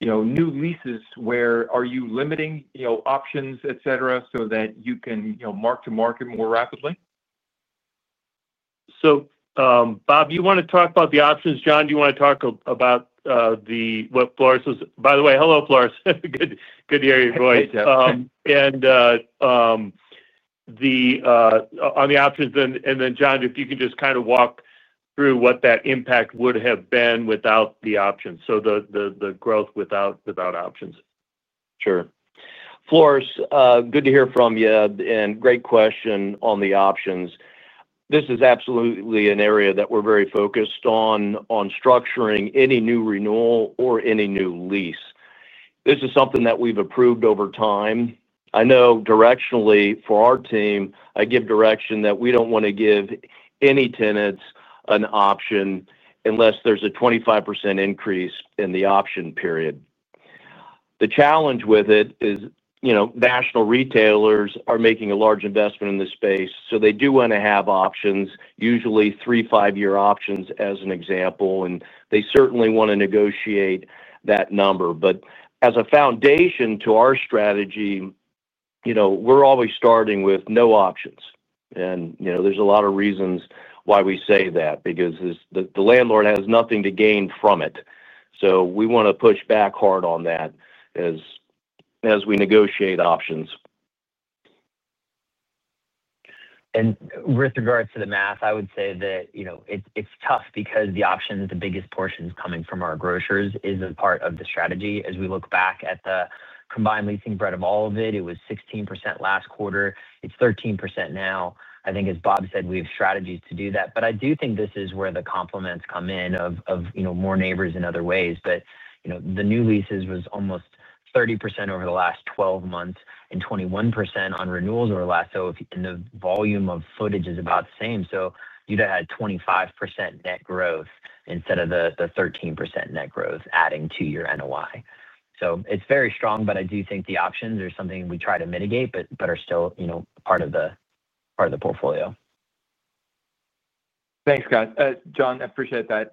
you know, new leases? Where are you limiting, you know, options, etc., so that you can, you know, mark to market more rapidly? Bob, do you want to talk about the options? John, do you want to talk about what Floris was? By the way, hello, Floris. Good to hear your voice. On the options, and then John, if you can just kind of walk through what that impact would have been without the options, so the growth without options. Sure. Floris, good to hear from you, and great question on the options. This is absolutely an area that we're very focused on, on structuring any new renewal or any new lease. This is something that we've improved over time. I know directionally for our team, I give direction that we don't want to give any tenants an option unless there's a 25% increase in the option period. The challenge with it is, you know, national retailers are making a large investment in this space. They do want to have options, usually three to five-year options as an example. They certainly want to negotiate that number. As a foundation to our strategy, you know, we're always starting with no options. There are a lot of reasons why we say that because the landlord has nothing to gain from it. We want to push back hard on that as we negotiate options. With regards to the math, I would say that it's tough because the options, the biggest portions coming from our grocers, is a part of the strategy. As we look back at the combined leasing breadth of all of it, it was 16% last quarter. It's 13% now. I think, as Bob said, we have strategies to do that. I do think this is where the compliments come in of more neighbors in other ways. The new leases was almost 30% over the last 12 months and 21% on renewals over the last, so if the volume of footage is about the same, you'd have had 25% net growth instead of the 13% net growth adding to your NOI. It's very strong. I do think the options are something we try to mitigate, but are still part of the portfolio. Thanks, guys. John, I appreciate that.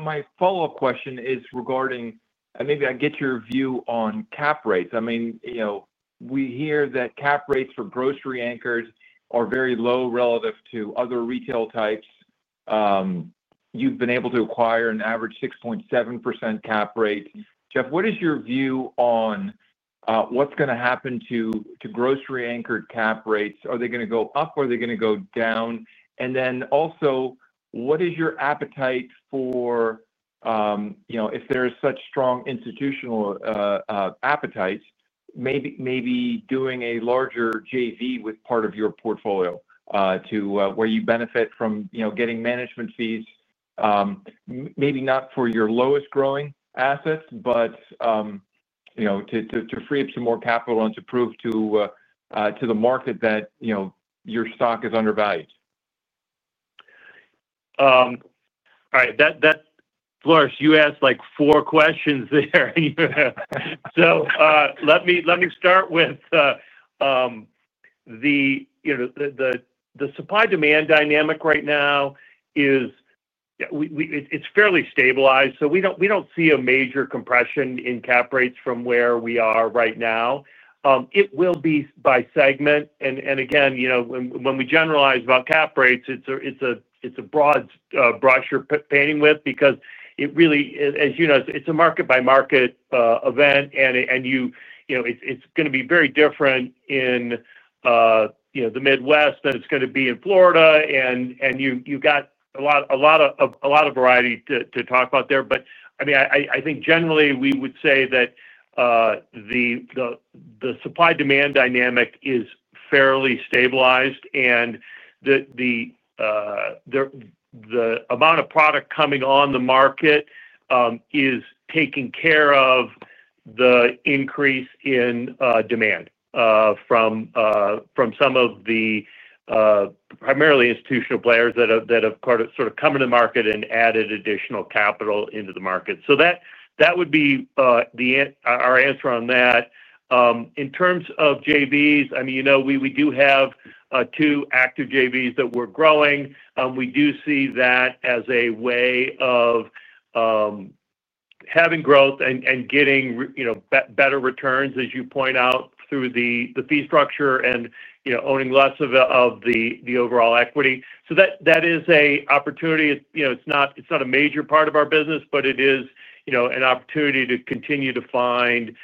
My follow-up question is regarding, and maybe I get your view on cap rates. I mean, you know, we hear that cap rates for grocery-anchored are very low relative to other retail types. You've been able to acquire an average 6.7% cap rate. Jeff, what is your view on what's going to happen to grocery-anchored cap rates? Are they going to go up or are they going to go down? Also, what is your appetite for, you know, if there's such strong institutional appetites, maybe doing a larger JV with part of your portfolio to where you benefit from, you know, getting management fees, maybe not for your lowest growing assets, but, you know, to free up some more capital and to prove to the market that, you know, your stock is undervalued. All right, Floris, you asked like four questions there. Let me start with the supply-demand dynamic right now. It's fairly stabilized. We don't see a major compression in cap rates from where we are right now. It will be by segment. When we generalize about cap rates, it's a broad brush we're painting with because, as you know, it's a market-by-market event. It's going to be very different in the Midwest than it's going to be in Florida. You've got a lot of variety to talk about there. I think generally we would say that the supply-demand dynamic is fairly stabilized. The amount of product coming on the market is taking care of the increase in demand from some of the primarily institutional players that have come into the market and added additional capital into the market. That would be our answer on that. In terms of JVs, we do have two active JVs that we're growing. We do see that as a way of having growth and getting better returns, as you point out, through the fee structure and owning less of the overall equity. That is an opportunity. It's not a major part of our business, but it is an opportunity to continue to find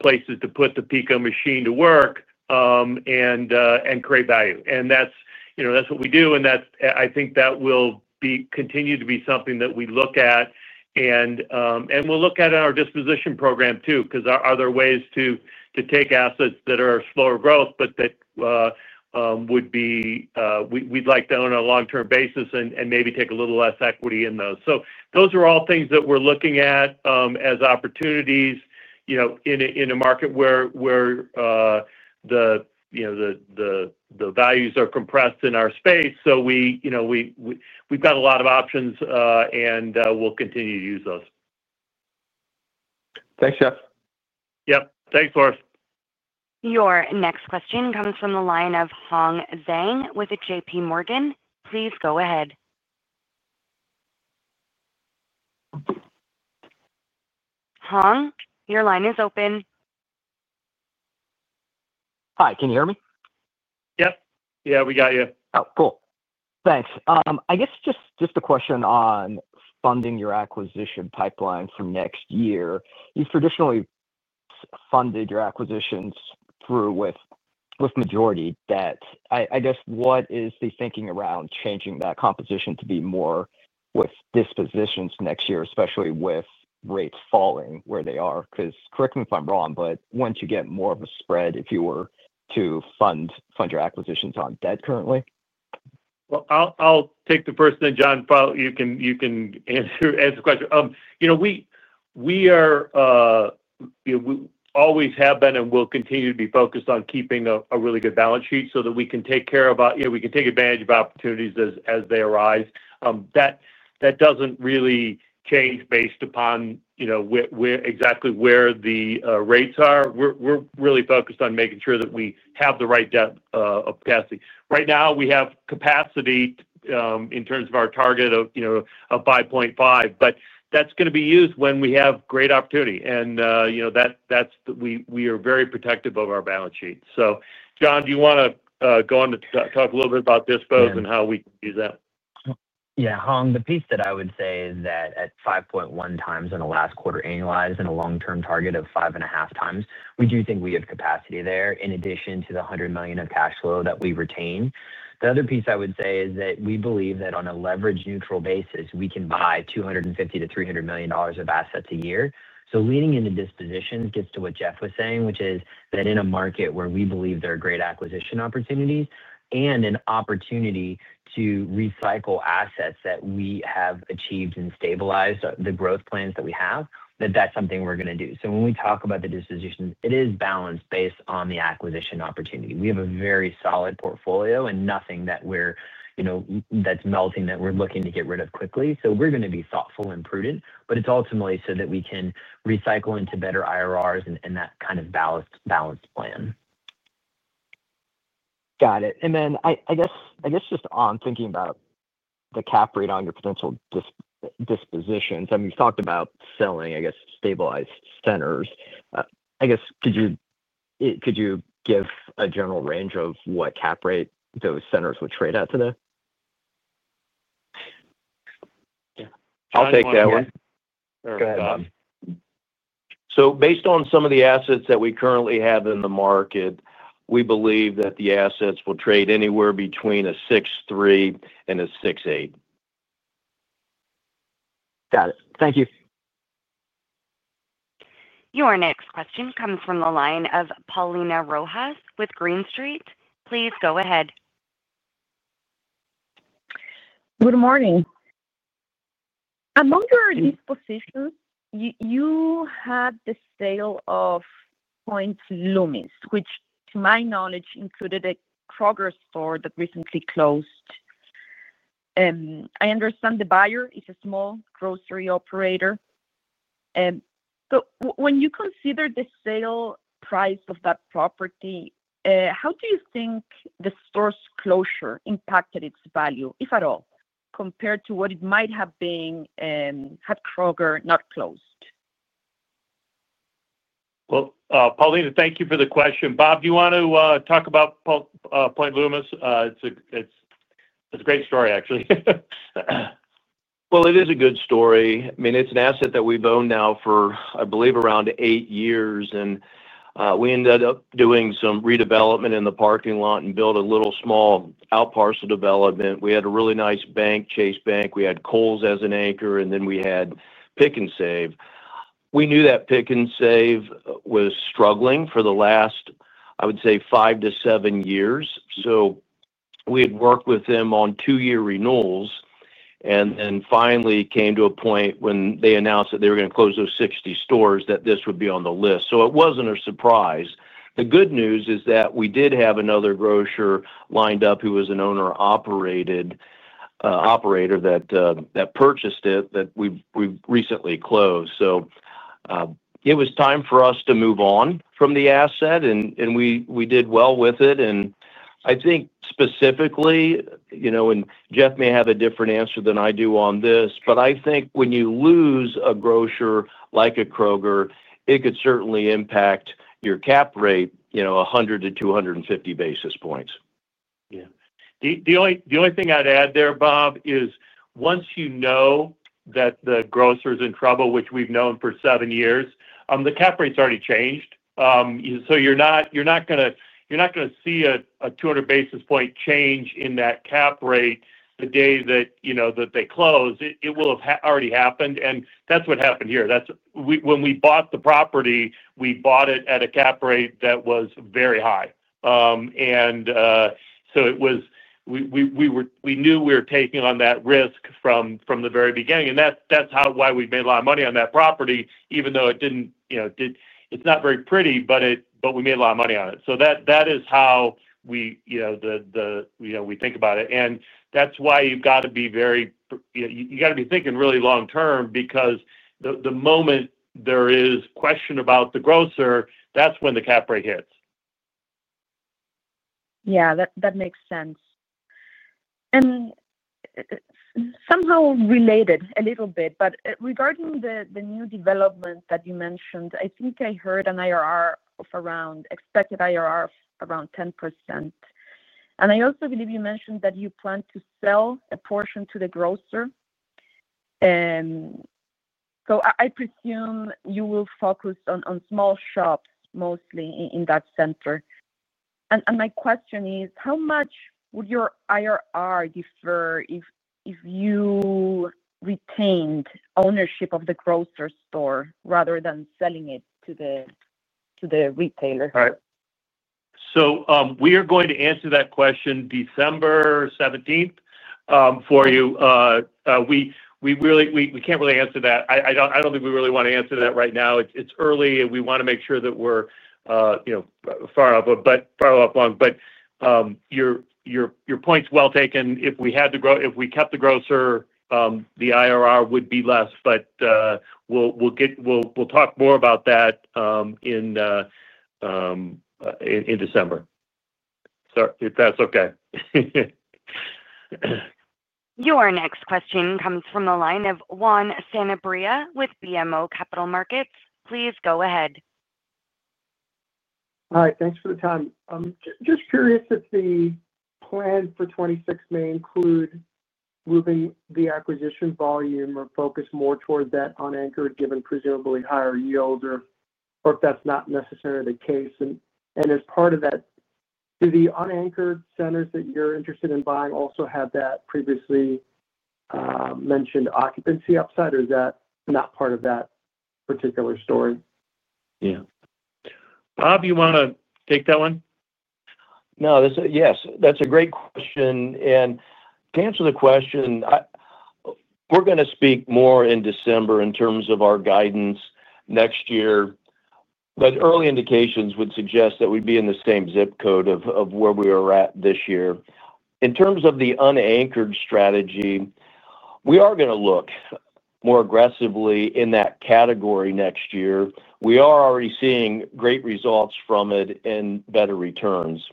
places to put the PECO machine to work and create value. That's what we do. I think that will continue to be something that we look at. We'll look at our disposition program too, because are there ways to take assets that are slower growth, but that we would like to own on a long-term basis and maybe take a little less equity in those. Those are all things that we're looking at as opportunities in a market where the values are compressed in our space. We've got a lot of options, and we'll continue to use those. Thanks, Jeff. Yep. Thanks, Florian. Your next question comes from the line of Hong Zhang with JP Morgan. Please go ahead. Hong, your line is open. Hi, can you hear me? Yep, yeah, we got you. Oh, cool. Thanks. I guess just a question on funding your acquisition pipeline for next year. You've traditionally funded your acquisitions through with majority debt. I guess what is the thinking around changing that composition to be more with dispositions next year, especially with rates falling where they are? Because correct me if I'm wrong, but wouldn't you get more of a spread if you were to fund your acquisitions on debt currently? I'll take the first thing, John. You can answer the question. We always have been and will continue to be focused on keeping a really good balance sheet so that we can take advantage of opportunities as they arise. That doesn't really change based upon exactly where the rates are. We're really focused on making sure that we have the right debt capacity. Right now, we have capacity in terms of our target of 5.5, but that's going to be used when we have great opportunity. We are very protective of our balance sheet. John, do you want to go on to talk a little bit about dispositions and how we can use that? Yeah, Hong, the piece that I would say is that at 5.1 times in the last quarter annualized and a long-term target of 5.5 times, we do think we have capacity there in addition to the $100 million of cash flow that we retain. The other piece I would say is that we believe that on a leverage-neutral basis, we can buy $250 to $300 million of assets a year. Leading into disposition gets to what Jeff was saying, which is that in a market where we believe there are great acquisition opportunities and an opportunity to recycle assets that we have achieved and stabilized the growth plans that we have, that's something we're going to do. When we talk about the dispositions, it is balanced based on the acquisition opportunity. We have a very solid portfolio and nothing that we're looking to get rid of quickly. We're going to be thoughtful and prudent, but it's ultimately so that we can recycle into better IRRs and that kind of balanced plan. Got it. Just on thinking about the cap rate on your potential dispositions, you've talked about selling stabilized centers. Could you give a general range of what cap rate those centers would trade at today? Yeah, I'll take that one. Go ahead, Bob. Based on some of the assets that we currently have in the market, we believe that the assets will trade anywhere between a 6.3% and a 6.8%. Got it. Thank you. Your next question comes from the line of Paulina Rojas with Green Street. Please go ahead. Good morning. I'm wondering about dispositions. You had the sale of Point Lumis, which to my knowledge included a Kroger store that recently closed. I understand the buyer is a small grocery operator. When you consider the sale price of that property, how do you think the store's closure impacted its value, if at all, compared to what it might have been had Kroger not closed? Paulina, thank you for the question. Bob, do you want to talk about Point Lumis? It's a great story, actually. It is a good story. I mean, it's an asset that we've owned now for, I believe, around eight years. We ended up doing some redevelopment in the parking lot and built a little small out parcel development. We had a really nice bank, Chase Bank. We had Kohl's as an anchor, and then we had Pick N Save. We knew that Pick N Save was struggling for the last, I would say, five to seven years. We had worked with them on two-year renewals, and then finally came to a point when they announced that they were going to close those 60 stores, that this would be on the list. It wasn't a surprise. The good news is that we did have another grocer lined up who was an owner-operated operator that purchased it that we recently closed. It was time for us to move on from the asset, and we did well with it. I think specifically, you know, and Jeff may have a different answer than I do on this, but I think when you lose a grocer like a Kroger, it could certainly impact your cap rate, you know, 100 to 250 basis points. Yeah. The only thing I'd add there, Bob, is once you know that the grocer's in trouble, which we've known for seven years, the cap rate's already changed. You're not going to see a 200 basis point change in that cap rate the day that, you know, they close. It will have already happened. That's what happened here. When we bought the property, we bought it at a cap rate that was very high. We knew we were taking on that risk from the very beginning. That's why we made a lot of money on that property, even though it didn't, you know, it's not very pretty, but we made a lot of money on it. That is how we think about it. That's why you've got to be very, you've got to be thinking really long-term because the moment there is a question about the grocer, that's when the cap rate hits. Yeah, that makes sense. Somehow related a little bit, regarding the new development that you mentioned, I think I heard an expected IRR of around 10%. I also believe you mentioned that you plan to sell a portion to the grocer. I presume you will focus on small shops mostly in that center. My question is, how much would your IRR differ if you retained ownership of the grocer store rather than selling it to the retailer? All right. We are going to answer that question December 17th for you. We can't really answer that. I don't think we really want to answer that right now. It's early, and we want to make sure that we're far out, but far out long. Your point's well taken. If we had to grow, if we kept the grocer, the IRR would be less. We'll talk more about that in December. If that's okay. Your next question comes from the line of Juan Sanabria with BMO Capital Markets. Please go ahead. Hi, thanks for the time. I'm just curious if the plan for 2026 may include moving the acquisition volume or focus more towards that unanchored, given presumably higher yields, or if that's not necessarily the case. As part of that, do the unanchored centers that you're interested in buying also have that previously mentioned occupancy upside, or is that not part of that particular story? Yeah, Bob, you want to take that one? Yes, that's a great question. To answer the question, we're going to speak more in December in terms of our guidance next year. Early indications would suggest that we'd be in the same zip code of where we were at this year. In terms of the unanchored strategy, we are going to look more aggressively in that category next year. We are already seeing great results from it and better returns.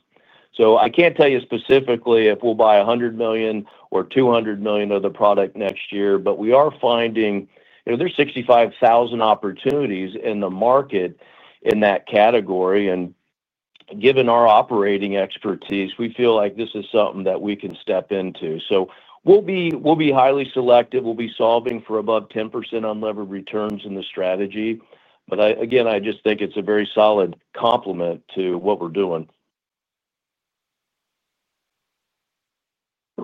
I can't tell you specifically if we'll buy $100 million or $200 million of the product next year, but we are finding, you know, there's 65,000 opportunities in the market in that category. Given our operating expertise, we feel like this is something that we can step into. We'll be highly selective. We'll be solving for above 10% unlevered returns in the strategy. I just think it's a very solid complement to what we're doing.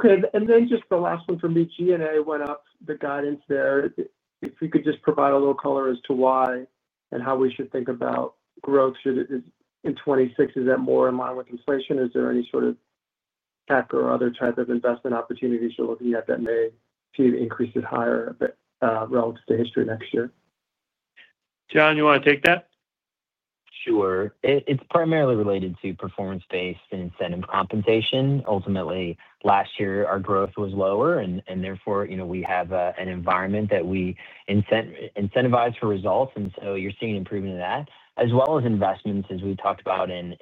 Okay. Just the last one for me, G&A went up the guidance there. If you could just provide a little color as to why and how we should think about growth. Should it, in 2026, is that more in line with inflation? Is there any sort of tech or other type of investment opportunities you're looking at that may increase it higher relative to history next year? John, you want to take that? Sure. It's primarily related to performance-based and incentive compensation. Ultimately, last year, our growth was lower, and therefore, we have an environment that we incentivize for results. You're seeing an improvement in that, as well as investments, as we talked about, in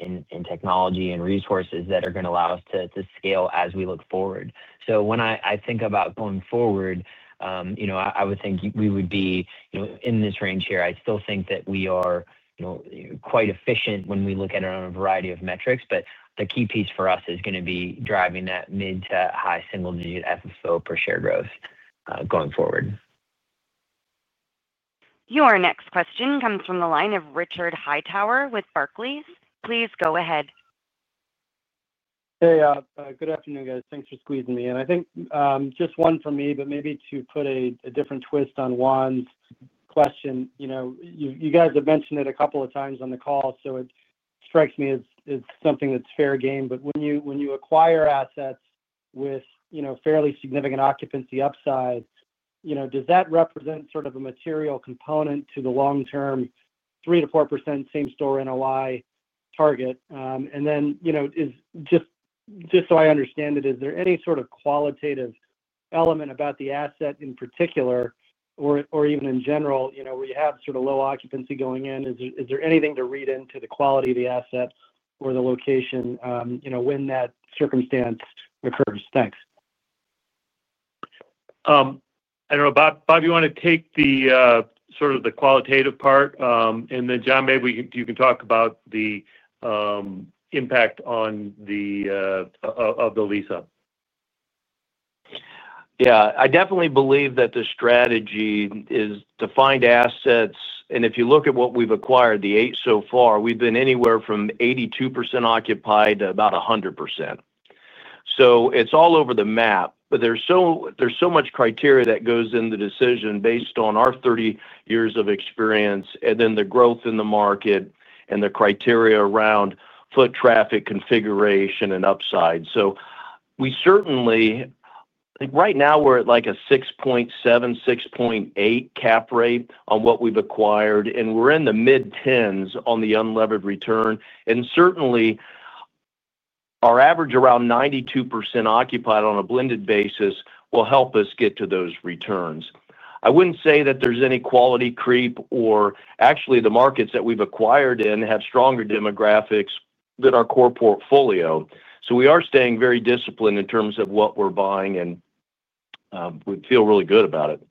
technology and resources that are going to allow us to scale as we look forward. When I think about going forward, I would think we would be in this range here. I still think that we are quite efficient when we look at it on a variety of metrics. The key piece for us is going to be driving that mid to high single-digit FFO per share growth going forward. Your next question comes from the line of Richard Hightower with Barclays. Please go ahead. Hey, good afternoon, guys. Thanks for squeezing me in. I think just one for me, but maybe to put a different twist on Juan's question, you know, you guys have mentioned it a couple of times on the call, so it strikes me as something that's fair game. When you acquire assets with, you know, fairly significant occupancy upside, does that represent sort of a material component to the long-term 3% to 4% same-center NOI target? Is just so I understand it, is there any sort of qualitative element about the asset in particular or even in general, you know, where you have sort of low occupancy going in? Is there anything to read into the quality of the asset or the location, you know, when that circumstance occurs? Thanks. I don't know. Bob, you want to take the sort of the qualitative part? Then John, maybe you can talk about the impact on the lease up. Yeah, I definitely believe that the strategy is to find assets. If you look at what we've acquired, the eight so far, we've been anywhere from 82% occupied to about 100%. It's all over the map. There's so much criteria that goes into the decision based on our 30 years of experience and the growth in the market and the criteria around foot traffic, configuration, and upside. We certainly, I think right now we're at like a 6.7, 6.8 cap rate on what we've acquired, and we're in the mid-10s on the unlevered return. Certainly, our average around 92% occupied on a blended basis will help us get to those returns. I wouldn't say that there's any quality creep or actually the markets that we've acquired. are staying very disciplined in terms of what we're buying, and we feel really good about it.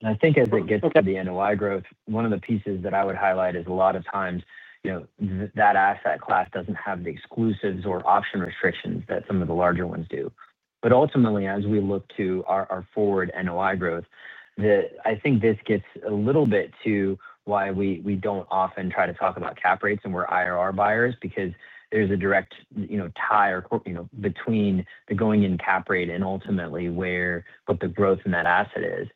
The demographics are stronger than our core portfolio. I think as it gets to the NOI growth, one of the pieces that I would highlight is a lot of times, you know, that asset class doesn't have the exclusives or option restrictions that some of the larger ones do. Ultimately, as we look to our forward NOI growth, I think this gets a little bit to why we don't often try to talk about cap rates and we're IRR buyers because there's a direct tie between the going in cap rate and ultimately what the growth in that asset is.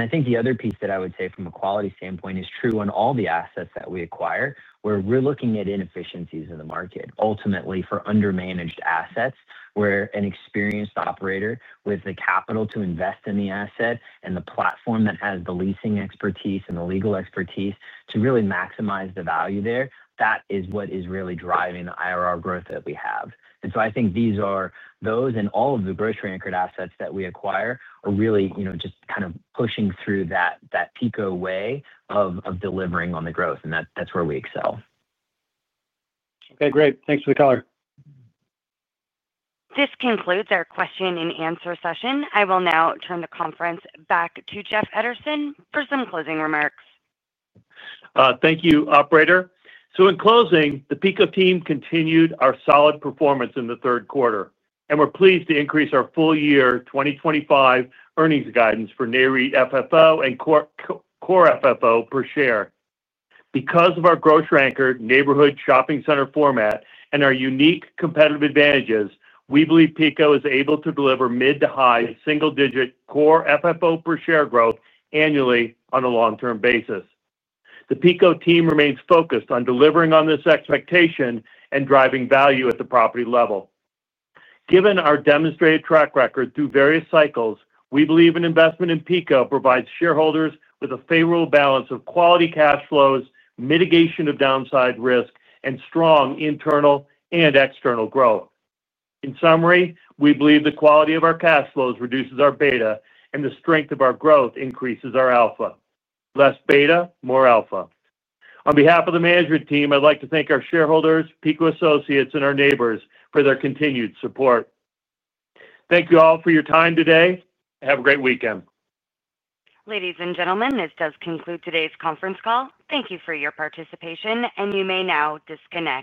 I think the other piece that I would say from a quality standpoint is true on all the assets that we acquire, where we're looking at inefficiencies in the market. Ultimately, for undermanaged assets, where an experienced operator with the capital to invest in the asset and the platform that has the leasing expertise and the legal expertise to really maximize the value there, that is what is really driving the IRR growth that we have. I think those and all of the growth-oriented assets that we acquire are really just kind of pushing through that PECO way of delivering on the growth, and that's where we excel. Okay, great. Thanks for the color. This concludes our question and answer session. I will now turn the conference back to Jeff Edison for some closing remarks. Thank you, operator. In closing, the Phillips Edison & Company team continued our solid performance in the third quarter, and we're pleased to increase our full-year 2025 earnings guidance for NAIRI, FFO, and Core FFO per share. Because of our growth-oriented grocery-anchored neighborhood shopping center format and our unique competitive advantages, we believe Phillips Edison & Company is able to deliver mid to high single-digit Core FFO per share growth annually on a long-term basis. The Phillips Edison & Company team remains focused on delivering on this expectation and driving value at the property level. Given our demonstrated track record through various cycles, we believe an investment in Phillips Edison & Company provides shareholders with a favorable balance of quality cash flows, mitigation of downside risk, and strong internal and external growth. In summary, we believe the quality of our cash flows reduces our beta, and the strength of our growth increases our alpha. Less beta, more alpha. On behalf of the management team, I'd like to thank our shareholders, Phillips Edison & Company associates, and our neighbors for their continued support. Thank you all for your time today. Have a great weekend. Ladies and gentlemen, this does conclude today's conference call. Thank you for your participation, and you may now disconnect.